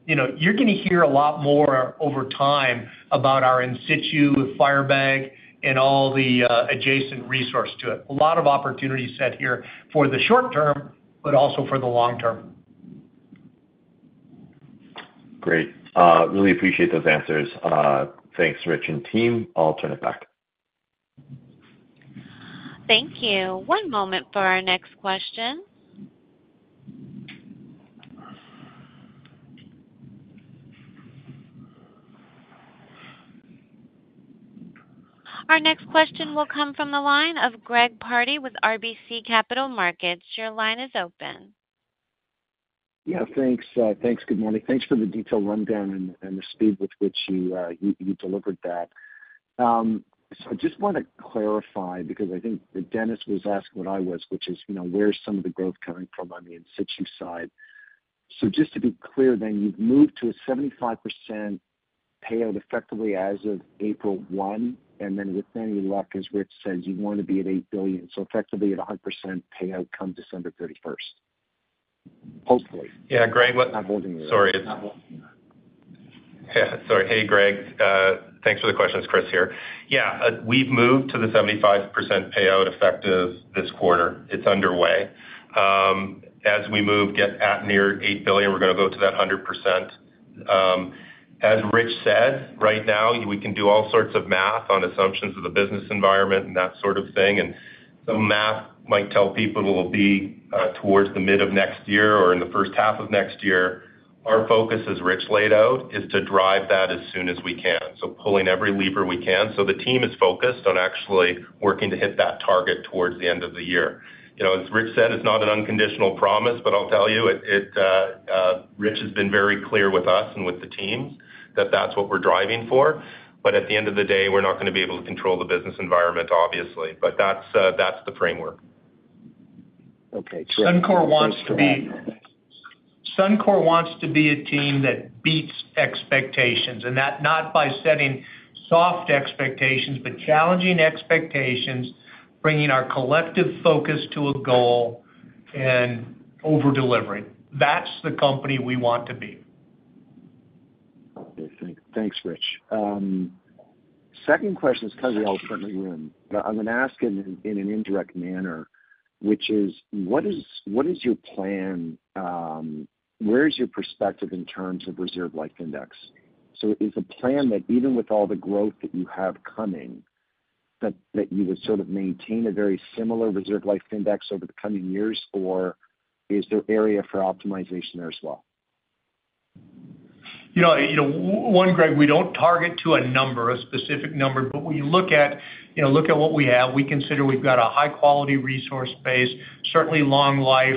You know, you're gonna hear a lot more over time about our In Situ with Firebag and all the adjacent resource to it. A lot of opportunities set here for the short term, but also for the long term. Great. Really appreciate those answers. Thanks, Rich and team. I'll turn it back. Thank you. One moment for our next question. Our next question will come from the line of Greg Pardy with RBC Capital Markets. Your line is open. Yeah, thanks, thanks. Good morning. Thanks for the detailed rundown and, and the speed with which you, you delivered that. So I just wanna clarify, because I think that Dennis was asking what I was, which is, you know, where's some of the growth coming from on the In Situ side? So just to be clear, then you've moved to a 75% payout effectively as of April 1, and then with any luck, as Rich says, you wanna be at 8 billion, so effectively at 100% payout come December 31, hopefully. Yeah, Greg, what- I'm holding you... Sorry. Yeah, sorry. Hey, Greg, thanks for the question. It's Kris here. Yeah, we've moved to the 75% payout effective this quarter. It's underway. As we move, get at near 8 billion, we're gonna go to that 100%. As Rich said, right now, we can do all sorts of math on assumptions of the business environment and that sort of thing, and the math might tell people it'll be, towards the mid of next year or in the first half of next year. Our focus, as Rich laid out, is to drive that as soon as we can, so pulling every lever we can. So the team is focused on actually working to hit that target towards the end of the year. You know, as Rich said, it's not an unconditional promise, but I'll tell you, it... Rich has been very clear with us and with the teams that that's what we're driving for. But at the end of the day, we're not gonna be able to control the business environment, obviously. But that's, that's the framework. Okay, great. Suncor wants to be a team that beats expectations, and that, not by setting soft expectations, but challenging expectations, bringing our collective focus to a goal and over-delivering. That's the company we want to be. Okay, thanks, Rich. Second question is because we all currently win, but I'm gonna ask in an indirect manner, which is: What is your plan, where is your perspective in terms of reserve life index? So is the plan that even with all the growth that you have coming, that you would sort of maintain a very similar reserve life index over the coming years? Or is there area for optimization there as well? You know, you know, one, Greg, we don't target to a number, a specific number, but when you look at, you know, look at what we have, we consider we've got a high-quality resource base, certainly long life,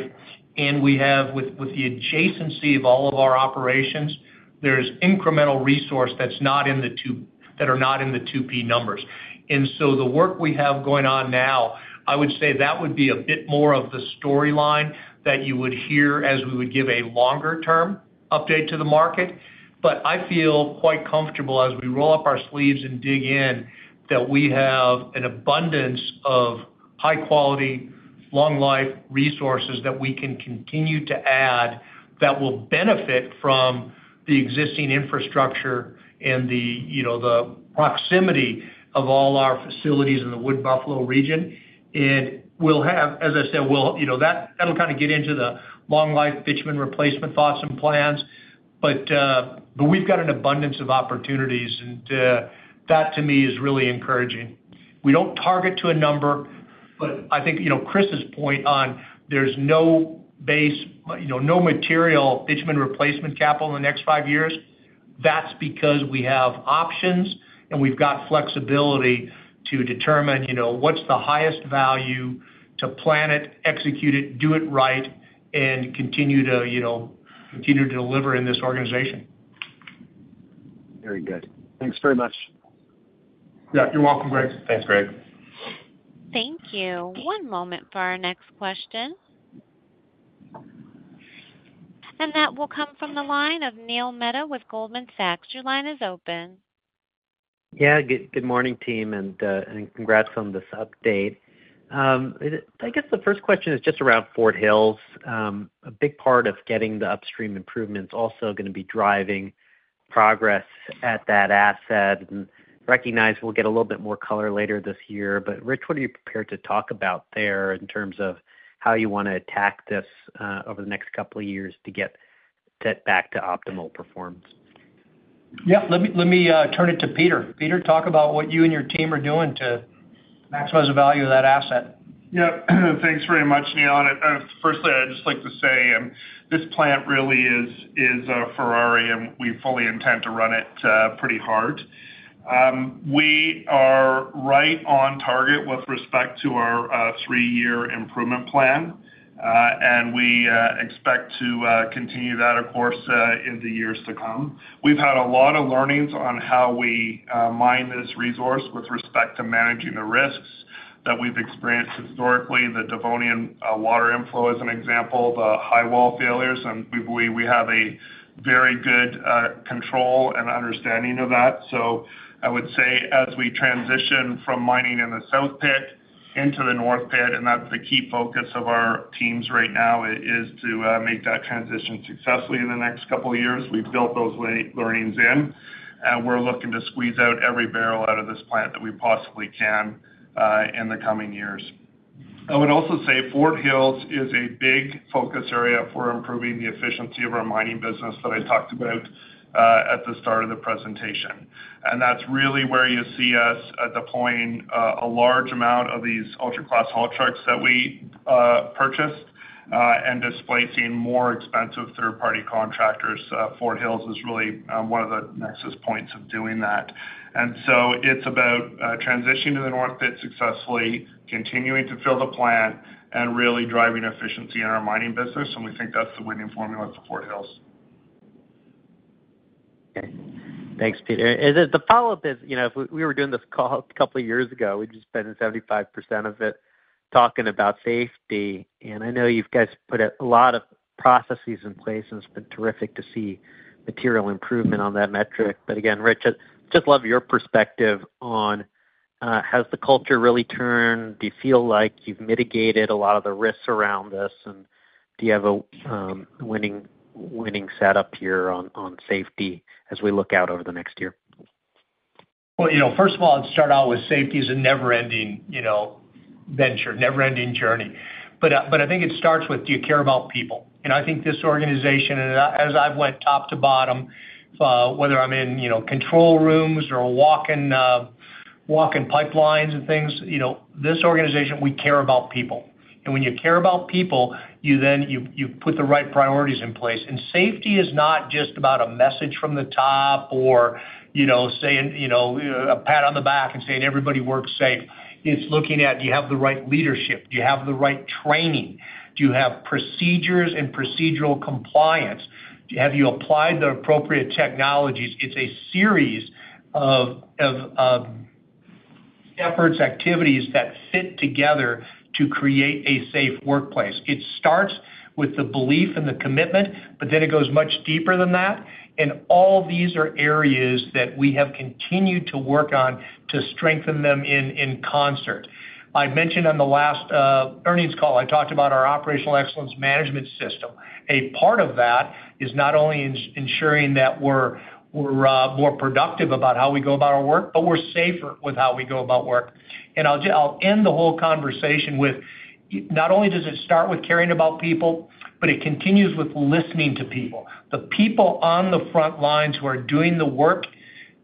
and we have with the adjacency of all of our operations, there's incremental resource that's not in the two that are not in the 2P numbers. And so the work we have going on now, I would say that would be a bit more of the storyline that you would hear as we would give a longer term update to the market. But I feel quite comfortable as we roll up our sleeves and dig in, that we have an abundance of high quality, long life resources that we can continue to add, that will benefit from the existing infrastructure and the, you know, the proximity of all our facilities in the Wood Buffalo region. It will have, as I said, we'll, you know, that, that'll kind of get into the long life bitumen replacement thoughts and plans, but, but we've got an abundance of opportunities, and, that to me, is really encouraging. We don't target to a number, but I think, you know, Kris's point on there's no base, you know, no material bitumen replacement capital in the next five years.... That's because we have options, and we've got flexibility to determine, you know, what's the highest value to plan it, execute it, do it right, and continue to, you know, continue to deliver in this organization. Very good. Thanks very much. Yeah, you're welcome, Greg. Thanks, Greg. Thank you. One moment for our next question. That will come from the line of Neil Mehta with Goldman Sachs. Your line is open. Yeah, good, good morning, team, and congrats on this update. I guess the first question is just around Fort Hills. A big part of getting the upstream improvements also gonna be driving progress at that asset, and recognize we'll get a little bit more color later this year. But Rich, what are you prepared to talk about there in terms of how you wanna attack this over the next couple of years to get that back to optimal performance? Yeah, let me turn it to Peter. Peter, talk about what you and your team are doing to maximize the value of that asset. Yeah. Thanks very much, Neil. Firstly, I'd just like to say, this plant really is a Ferrari, and we fully intend to run it pretty hard. We are right on target with respect to our three-year improvement plan, and we expect to continue that, of course, in the years to come. We've had a lot of learnings on how we mine this resource with respect to managing the risks that we've experienced historically, the Devonian water inflow, as an example, the high wall failures, and we have a very good control and understanding of that. I would say, as we transition from mining in the South Pit into the North Pit, and that's the key focus of our teams right now, is to make that transition successfully in the next couple of years. We've built those learnings in, and we're looking to squeeze out every barrel out of this plant that we possibly can in the coming years. I would also say Fort Hills is a big focus area for improving the efficiency of our mining business that I talked about at the start of the presentation. That's really where you see us deploying a large amount of these ultra-class haul trucks that we purchased and displacing more expensive third-party contractors. Fort Hills is really one of the nexus points of doing that. And so it's about transitioning to the North pit successfully, continuing to fill the plant, and really driving efficiency in our mining business, and we think that's the winning formula for Fort Hills. Okay. Thanks, Peter. And the follow-up is, you know, if we were doing this call a couple of years ago, we'd just spending 75% of it talking about safety. And I know you guys have put a lot of processes in place, and it's been terrific to see material improvement on that metric. But again, Rich, I'd just love your perspective on has the culture really turned? Do you feel like you've mitigated a lot of the risks around this? And do you have a winning setup here on safety as we look out over the next year? Well, you know, first of all, I'd start out with safety is a never-ending, you know, venture, never-ending journey. But, but I think it starts with, do you care about people? And I think this organization, and as I've went top to bottom, whether I'm in, you know, control rooms or walking, walking pipelines and things, you know, this organization, we care about people. And when you care about people, you then, you, you put the right priorities in place. And safety is not just about a message from the top or, you know, saying, you know, a pat on the back and saying, "Everybody work safe." It's looking at: Do you have the right leadership? Do you have the right training? Do you have procedures and procedural compliance? Do you have you applied the appropriate technologies? It's a series of efforts, activities that fit together to create a safe workplace. It starts with the belief and the commitment, but then it goes much deeper than that. All these are areas that we have continued to work on to strengthen them in concert. I mentioned on the last earnings call, I talked about our Operational Excellence Management System. A part of that is not only ensuring that we're more productive about how we go about our work, but we're safer with how we go about work. I'll end the whole conversation with, not only does it start with caring about people, but it continues with listening to people. The people on the front lines who are doing the work,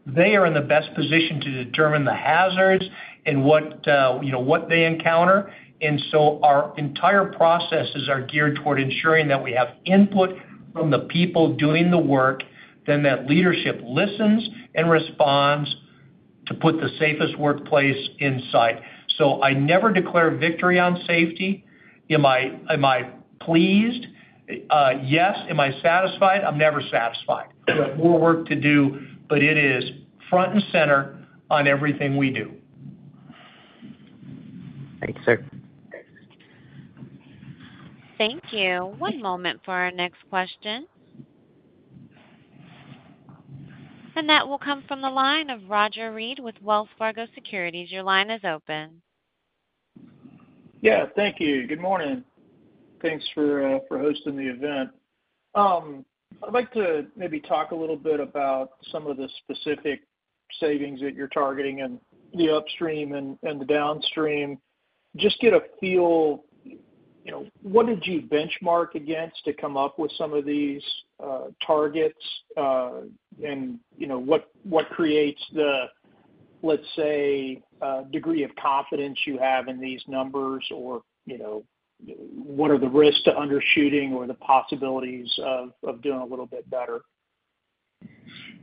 they are in the best position to determine the hazards and what, you know, what they encounter. And so our entire processes are geared toward ensuring that we have input from the people doing the work, then that leadership listens and responds to put the safest workplace in sight. So I never declare victory on safety. Am I pleased? Yes. Am I satisfied? I'm never satisfied. We have more work to do, but it is front and center on everything we do. Thanks, sir. Thank you. One moment for our next question. That will come from the line of Roger Read with Wells Fargo Securities. Your line is open. Yeah, thank you. Good morning. Thanks for hosting the event. I'd like to maybe talk a little bit about some of the specific savings that you're targeting in the upstream and the downstream. Just get a feel, you know, what did you benchmark against to come up with some of these targets? And, you know, what creates the... let's say, degree of confidence you have in these numbers, or, you know, what are the risks to undershooting or the possibilities of doing a little bit better?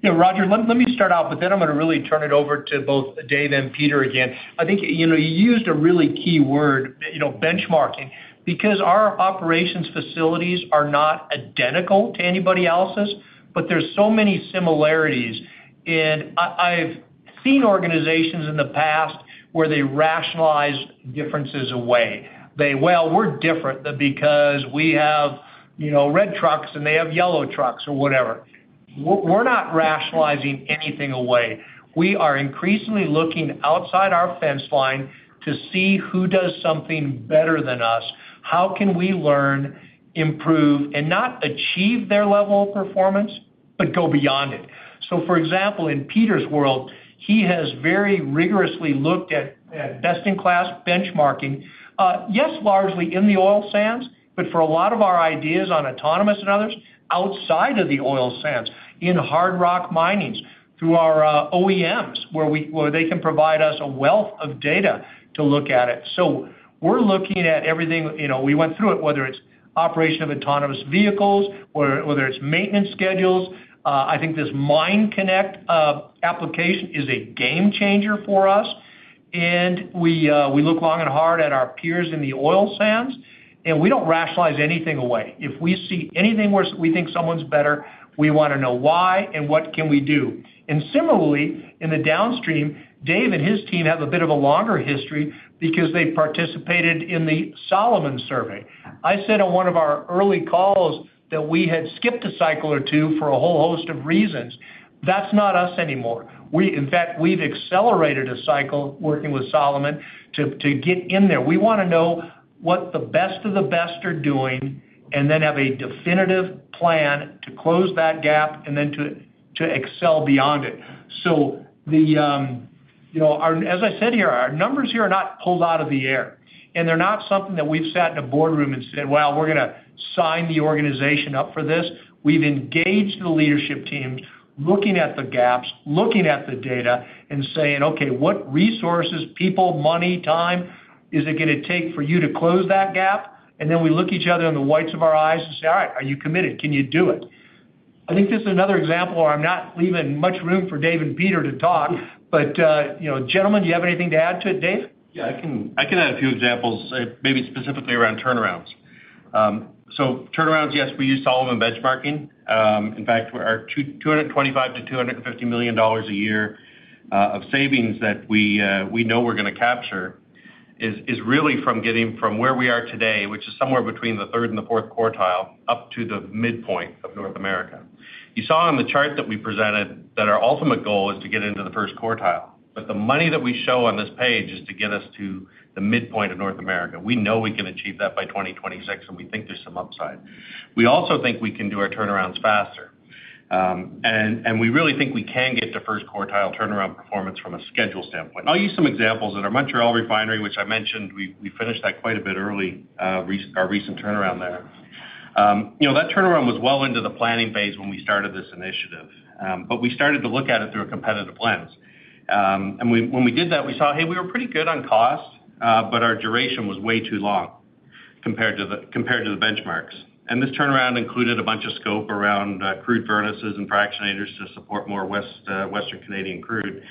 Yeah, Roger, let me, let me start out, but then I'm gonna really turn it over to both Dave and Peter again. I think, you know, you used a really key word, you know, benchmarking, because our operations facilities are not identical to anybody else's, but there's so many similarities. And I, I've seen organizations in the past where they rationalize differences away. They- "Well, we're different because we have, you know, red trucks, and they have yellow trucks," or whatever. We're, we're not rationalizing anything away. We are increasingly looking outside our fence line to see who does something better than us, how can we learn, improve, and not achieve their level of performance, but go beyond it? So for example, in Peter's world, he has very rigorously looked at best-in-class benchmarking, yes, largely in the oil sands, but for a lot of our ideas on autonomous and others, outside of the oil sands, in hard rock mining, through our OEMs, where they can provide us a wealth of data to look at it. So we're looking at everything, you know, we went through it, whether it's operation of autonomous vehicles, or whether it's maintenance schedules. I think this MineConnect application is a game changer for us, and we look long and hard at our peers in the oil sands, and we don't rationalize anything away. If we see anything where we think someone's better, we wanna know why and what can we do. Similarly, in the downstream, Dave and his team have a bit of a longer history because they participated in the Solomon survey. I said on one of our early calls that we had skipped a cycle or two for a whole host of reasons. That's not us anymore. We. In fact, we've accelerated a cycle working with Solomon to, to get in there. We wanna know what the best of the best are doing, and then have a definitive plan to close that gap, and then to, to excel beyond it. So, you know, as I said here, our numbers here are not pulled out of the air, and they're not something that we've sat in a boardroom and said, "Well, we're gonna sign the organization up for this." We've engaged the leadership teams, looking at the gaps, looking at the data, and saying, "Okay, what resources, people, money, time, is it gonna take for you to close that gap?" And then we look each other in the whites of our eyes and say, "All right, are you committed? Can you do it?" I think this is another example where I'm not leaving much room for Dave and Peter to talk, but, you know, gentlemen, do you have anything to add to it? Dave? Yeah, I can, I can add a few examples, maybe specifically around turnarounds. So turnarounds, yes, we use Solomon benchmarking. In fact, our 225 million-250 million dollars a year of savings that we, we know we're gonna capture is, is really from getting from where we are today, which is somewhere between the third and the fourth quartile, up to the midpoint of North America. You saw on the chart that we presented that our ultimate goal is to get into the first quartile, but the money that we show on this page is to get us to the midpoint of North America. We know we can achieve that by 2026, and we think there's some upside. We also think we can do our turnarounds faster. We really think we can get to first quartile turnaround performance from a schedule standpoint. I'll use some examples. In our Montreal Refinery, which I mentioned, we finished that quite a bit early, our recent turnaround there. You know, that turnaround was well into the planning phase when we started this initiative, but we started to look at it through a competitive lens. When we did that, we saw, hey, we were pretty good on cost, but our duration was way too long compared to the benchmarks. And this turnaround included a bunch of scope around crude furnaces and fractionators to support more Western Canadian crude.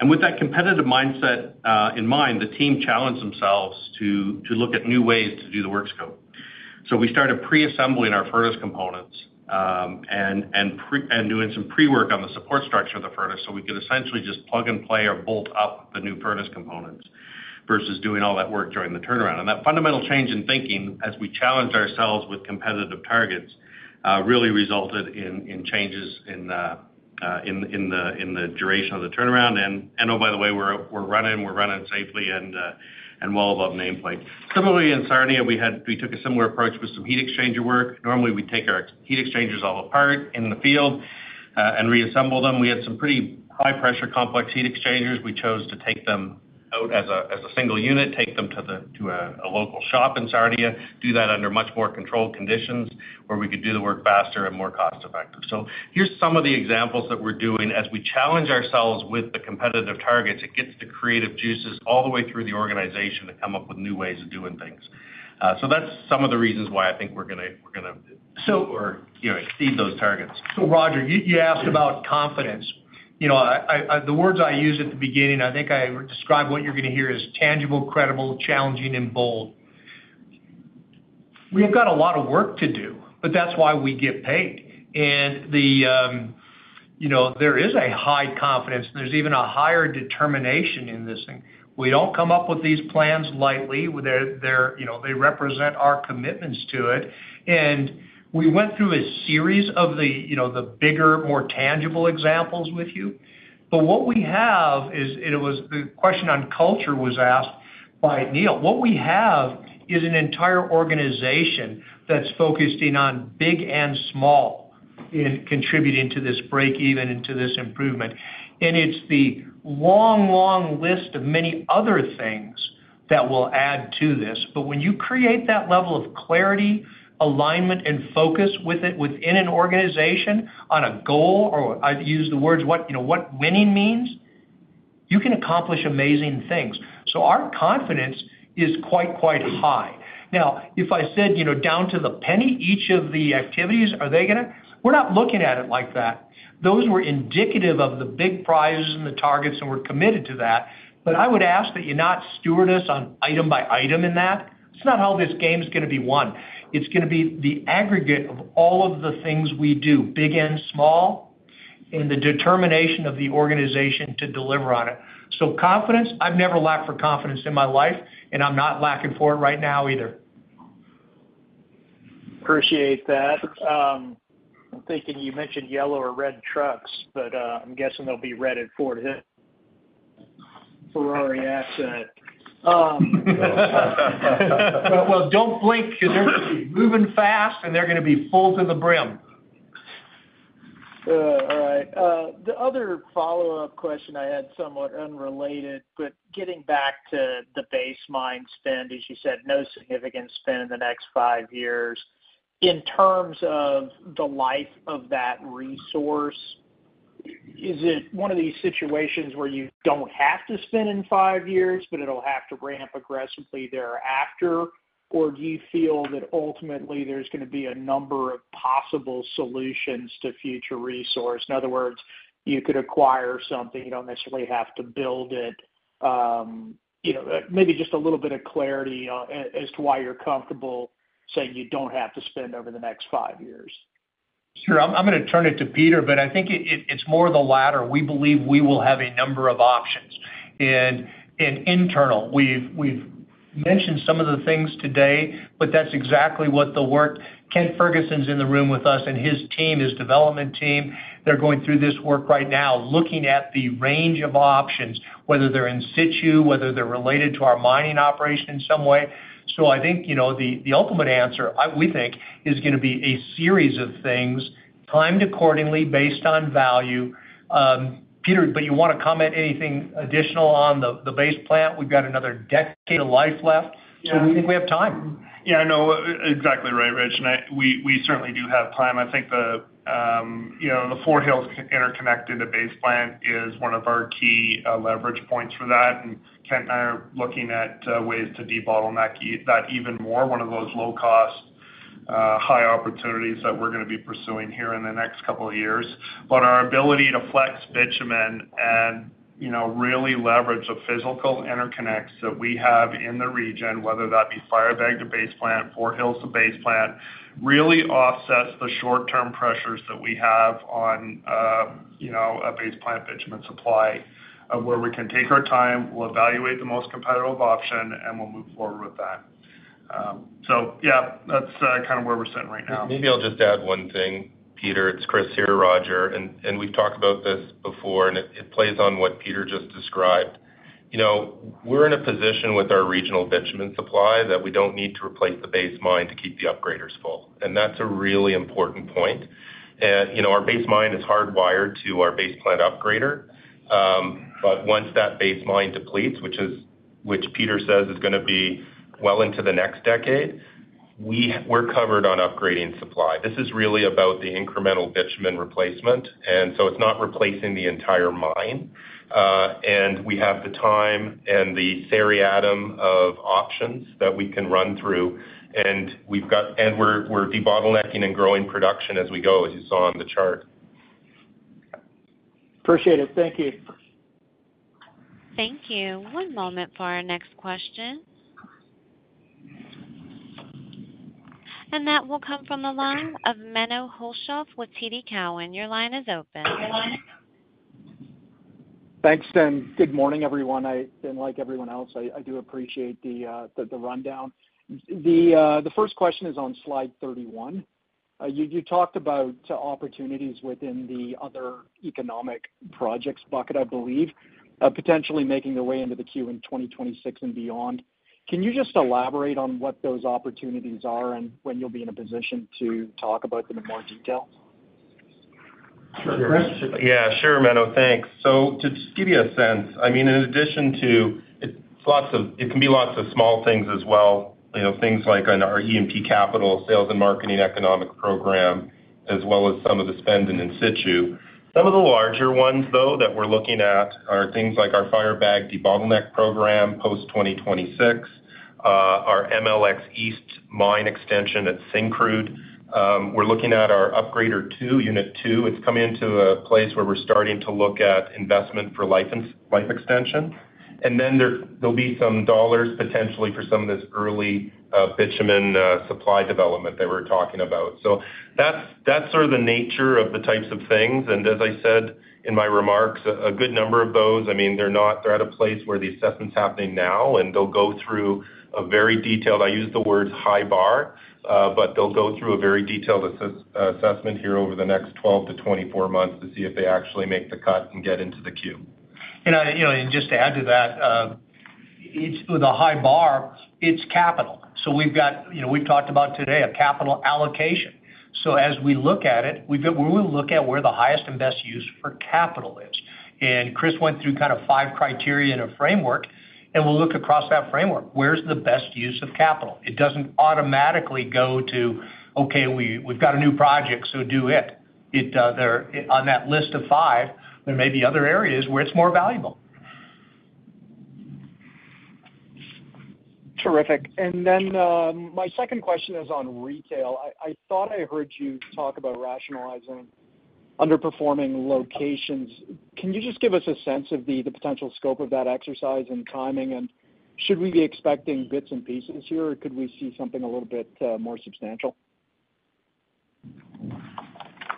And with that competitive mindset in mind, the team challenged themselves to look at new ways to do the work scope. So we started pre-assembling our furnace components and doing some pre-work on the support structure of the furnace, so we could essentially just plug and play or bolt up the new furnace components versus doing all that work during the turnaround. And that fundamental change in thinking as we challenged ourselves with competitive targets really resulted in changes in the duration of the turnaround. And oh, by the way, we're running safely and well above nameplate. Similarly, in Sarnia, we took a similar approach with some heat exchanger work. Normally, we take our heat exchangers all apart in the field and reassemble them. We had some pretty high-pressure, complex heat exchangers. We chose to take them out as a single unit, take them to a local shop in Sarnia, do that under much more controlled conditions, where we could do the work faster and more cost-effective. So here's some of the examples that we're doing. As we challenge ourselves with the competitive targets, it gets the creative juices all the way through the organization to come up with new ways of doing things. So that's some of the reasons why I think we're gonna. So- or, you know, exceed those targets. So, Roger, you asked about confidence. You know, I. The words I used at the beginning, I think I described what you're gonna hear as tangible, credible, challenging, and bold. We've got a lot of work to do, but that's why we get paid. And the, you know, there is a high confidence, there's even a higher determination in this thing. We don't come up with these plans lightly. They're. You know, they represent our commitments to it. And we went through a series of the, you know, the bigger, more tangible examples with you. But what we have is. And it was the question on culture was asked by Neil. What we have is an entire organization that's focusing on big and small in contributing to this break-even and to this improvement. And it's the long, long list of many other things-... that will add to this. But when you create that level of clarity, alignment, and focus with it within an organization on a goal, or I've used the words, what, you know, what winning means, you can accomplish amazing things. So our confidence is quite, quite high. Now, if I said, you know, down to the penny, each of the activities, are they gonna? We're not looking at it like that. Those were indicative of the big prizes and the targets, and we're committed to that. But I would ask that you not steward us on item by item in that. It's not how this game's gonna be won. It's gonna be the aggregate of all of the things we do, big and small, and the determination of the organization to deliver on it. So confidence, I've never lacked for confidence in my life, and I'm not lacking for it right now either. Appreciate that. I'm thinking you mentioned yellow or red trucks, but I'm guessing they'll be red at Fort Hills asset. Well, don't blink because they're gonna be moving fast, and they're gonna be full to the brim. All right. The other follow-up question I had, somewhat unrelated, but getting back to the Base Mine spend, as you said, no significant spend in the next five years. In terms of the life of that resource, is it one of these situations where you don't have to spend in five years, but it'll have to ramp aggressively thereafter? Or do you feel that ultimately there's gonna be a number of possible solutions to future resource? In other words, you could acquire something, you don't necessarily have to build it. You know, maybe just a little bit of clarity on, as to why you're comfortable saying you don't have to spend over the next five years. Sure. I'm gonna turn it to Peter, but I think it's more the latter. We believe we will have a number of options. And internally, we've mentioned some of the things today, but that's exactly what the work, Kent Ferguson is in the room with us and his team, his development team, they're going through this work right now, looking at the range of options, whether they're in situ, whether they're related to our mining operation in some way. So I think, you know, the ultimate answer, we think, is gonna be a series of things timed accordingly based on value. Peter, but you want to comment anything additional on the Base Plant? We've got another decade of life left, so we think we have time. Yeah, I know. Exactly right, Rich, and we certainly do have time. I think, you know, the Fort Hills interconnected to Base Plant is one of our key leverage points for that. And Kent and I are looking at ways to debottleneck that even more, one of those low cost high opportunities that we're gonna be pursuing here in the next couple of years. But our ability to flex bitumen and, you know, really leverage the physical interconnects that we have in the region, whether that be Firebag to Base Plant, Fort Hills to Base Plant, really offsets the short-term pressures that we have on, you know, a Base Plant bitumen supply, where we can take our time, we'll evaluate the most competitive option, and we'll move forward with that. So yeah, that's kind of where we're sitting right now. Maybe I'll just add one thing, Peter. It's Kris here, Roger, and we've talked about this before, and it plays on what Peter just described. You know, we're in a position with our regional bitumen supply that we don't need to replace the Base Mine to keep the upgraders full, and that's a really important point. And, you know, our Base Mine is hardwired to our Base Plant upgrader. But once that Base Mine depletes, which Peter says is gonna be well into the next decade, we're covered on upgrading supply. This is really about the incremental bitumen replacement, and so it's not replacing the entire mine. And we have the time and the array of options that we can run through, and we've got and we're debottlenecking and growing production as we go, as you saw on the chart. Appreciate it. Thank you. Thank you. One moment for our next question. That will come from the line of Menno Hulshof with TD Cowen. Your line is open. Thanks, and good morning, everyone. And like everyone else, I do appreciate the rundown. The first question is on slide 31. You talked about opportunities within the other economic projects bucket, I believe, potentially making their way into the queue in 2026 and beyond. Can you just elaborate on what those opportunities are and when you'll be in a position to talk about them in more detail? Sure, Kris? Yeah, sure, Menno, thanks. So to just give you a sense, I mean, in addition to it, it can be lots of small things as well, you know, things like on our E&P capital sales and marketing economic program, as well as some of the spend in in situ. Some of the larger ones, though, that we're looking at are things like our Firebag debottleneck program post-2026, our MLX East mine extension at Syncrude. We're looking at our Upgrader 2, unit 2. It's coming into a place where we're starting to look at investment for life extension. And then there'll be some dollars potentially for some of this early bitumen supply development that we're talking about. So that's sort of the nature of the types of things. As I said in my remarks, a good number of those, I mean, they're at a place where the assessment's happening now, and they'll go through a very detailed, I use the word high bar, but they'll go through a very detailed assessment here over the next 12-24 months to see if they actually make the cut and get into the queue. And, you know, and just to add to that, each with a high bar. It's capital. So we've got, you know, we've talked about today a capital allocation. So as we look at it, we've got. We will look at where the highest and best use for capital is. And Kris went through kind of five criteria in a framework, and we'll look across that framework. Where's the best use of capital? It doesn't automatically go to, okay, we've got a new project, so do it. It, there on that list of five, there may be other areas where it's more valuable. Terrific. And then, my second question is on retail. I thought I heard you talk about rationalizing underperforming locations. Can you just give us a sense of the potential scope of that exercise and timing? And should we be expecting bits and pieces here, or could we see something a little bit more substantial?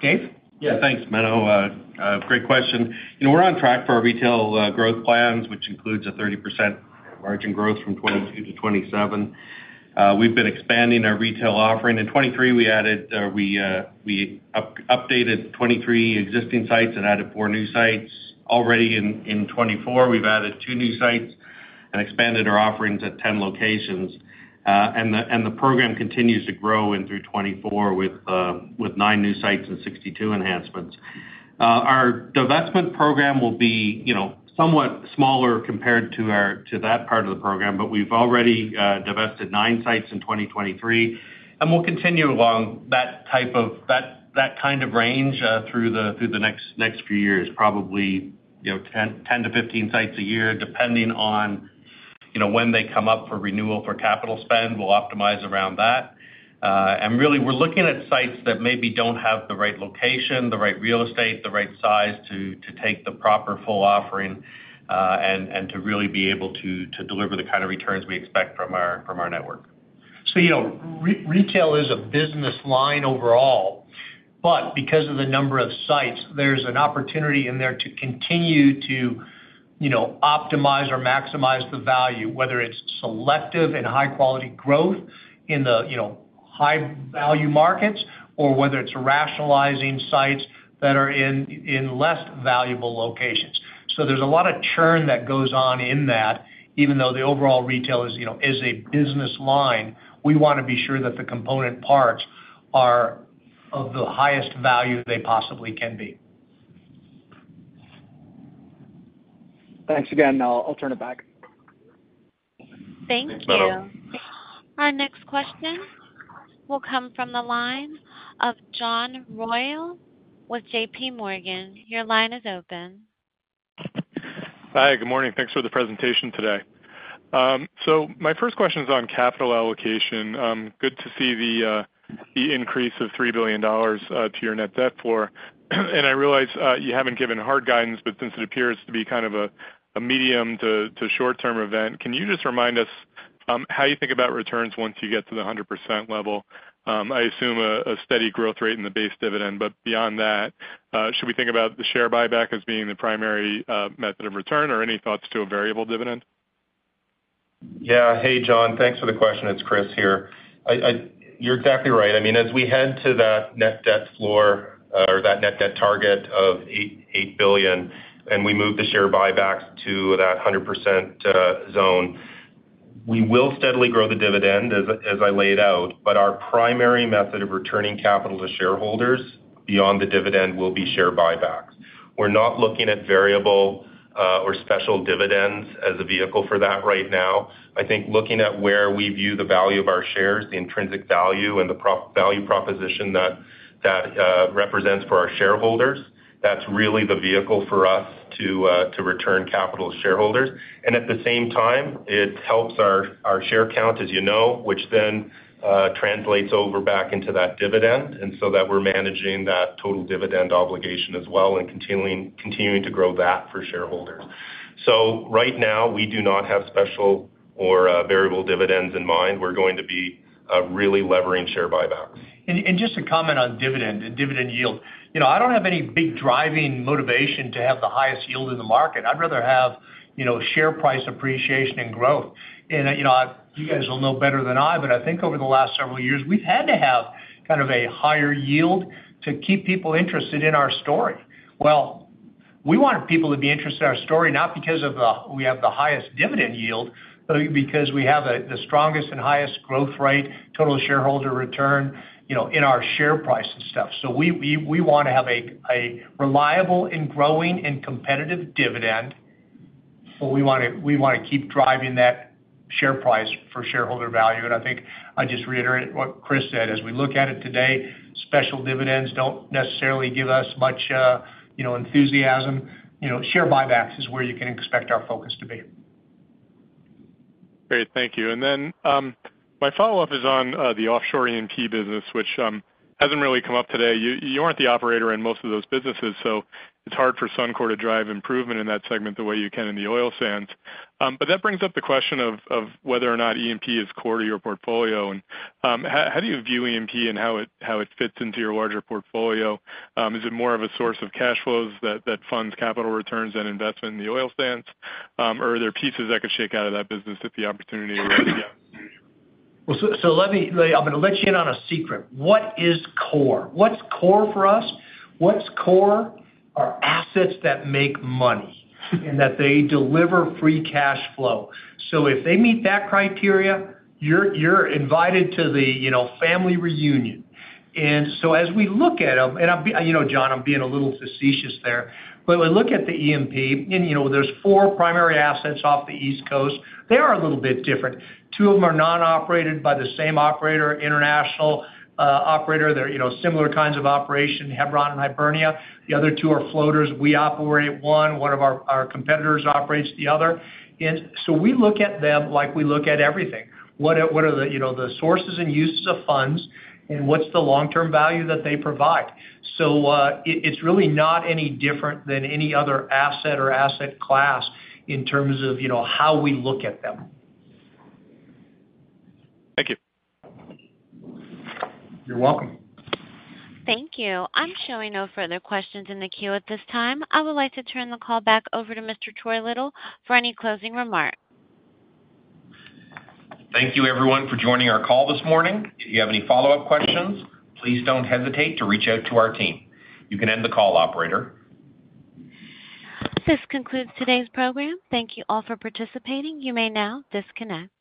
Dave? Yeah. Thanks, Menno. Great question. You know, we're on track for our retail growth plans, which includes a 30% margin growth from 2022 to 2027. We've been expanding our retail offering. In 2023, we updated 23 existing sites and added 4 new sites. Already in 2024, we've added 2 new sites and expanded our offerings at 10 locations. And the program continues to grow in through 2024 with 9 new sites and 62 enhancements. Our divestment program will be, you know, somewhat smaller compared to our-- to that part of the program, but we've already divested nine sites in 2023, and we'll continue along that type of-- that, that kind of range, through the, through the next, next few years, probably, you know, 10, 10-15 sites a year, depending on, you know, when they come up for renewal for capital spend, we'll optimize around that. And really, we're looking at sites that maybe don't have the right location, the right real estate, the right size to, to take the proper full offering, and, and to really be able to, to deliver the kind of returns we expect from our, from our network. So, you know, retail is a business line overall, but because of the number of sites, there's an opportunity in there to continue to, you know, optimize or maximize the value, whether it's selective and high-quality growth in the, you know, high-value markets, or whether it's rationalizing sites that are in less valuable locations. So there's a lot of churn that goes on in that, even though the overall retail is, you know, is a business line, we wanna be sure that the component parts are of the highest value they possibly can be. Thanks again. I'll turn it back. Thank you. Thanks, Menno. Our next question will come from the line of John Royall with J.P. Morgan. Your line is open. Hi, good morning. Thanks for the presentation today. So my first question is on capital allocation. Good to see the increase of 3 billion dollars to your net debt floor. And I realize you haven't given hard guidance, but since it appears to be kind of a medium to short-term event, can you just remind us how you think about returns once you get to the 100% level? I assume a steady growth rate in the base dividend, but beyond that, should we think about the share buyback as being the primary method of return, or any thoughts to a variable dividend? Yeah. Hey, John. Thanks for the question. It's Kris here. You're exactly right. I mean, as we head to that net debt floor, or that net debt target of 8 billion, and we move the share buybacks to that 100% zone, we will steadily grow the dividend, as I laid out, but our primary method of returning capital to shareholders beyond the dividend will be share buybacks. We're not looking at variable, or special dividends as a vehicle for that right now. I think looking at where we view the value of our shares, the intrinsic value and the value proposition that represents for our shareholders, that's really the vehicle for us to return capital to shareholders. At the same time, it helps our share count, as you know, which then translates over back into that dividend, and so that we're managing that total dividend obligation as well and continuing to grow that for shareholders. Right now, we do not have special or variable dividends in mind. We're going to be really levering share buybacks. And just to comment on dividend and dividend yield. You know, I don't have any big driving motivation to have the highest yield in the market. I'd rather have, you know, share price appreciation and growth. And, you know, I've-- you guys will know better than I, but I think over the last several years, we've had to have kind of a higher yield to keep people interested in our story. Well, we want people to be interested in our story, not because of the, we have the highest dividend yield, but because we have a, the strongest and highest growth rate, total shareholder return, you know, in our share price and stuff. So we wanna have a reliable and growing and competitive dividend, but we wanna keep driving that share price for shareholder value. And I think I just reiterate what Kris said. As we look at it today, special dividends don't necessarily give us much, you know, enthusiasm. You know, share buybacks is where you can expect our focus to be. Great. Thank you. And then, my follow-up is on the offshore E&P business, which hasn't really come up today. You aren't the operator in most of those businesses, so it's hard for Suncor to drive improvement in that segment the way you can in the oil sands. But that brings up the question of whether or not E&P is core to your portfolio. And how do you view E&P and how it fits into your larger portfolio? Is it more of a source of cash flows that funds capital returns and investment in the oil sands? Or are there pieces that could shake out of that business if the opportunity arises again? Well, so let me. I'm gonna let you in on a secret. What is core? What's core for us? What's core are assets that make money, and that they deliver free cash flow. So if they meet that criteria, you're invited to the, you know, family reunion. And so as we look at them, and I'm being, you know, John, a little facetious there, but when we look at the E&P, and, you know, there's four primary assets off the East Coast, they are a little bit different. Two of them are non-operated by the same operator, international operator. They're, you know, similar kinds of operation, Hebron and Hibernia. The other two are floaters. We operate one of our competitors operates the other. And so we look at them like we look at everything. What are the, you know, the sources and uses of funds, and what's the long-term value that they provide? So, it's really not any different than any other asset or asset class in terms of, you know, how we look at them. Thank you. You're welcome. Thank you. I'm showing no further questions in the queue at this time. I would like to turn the call back over to Mr. Troy Little for any closing remarks. Thank you, everyone, for joining our call this morning. If you have any follow-up questions, please don't hesitate to reach out to our team. You can end the call, operator. This concludes today's program. Thank you all for participating. You may now disconnect.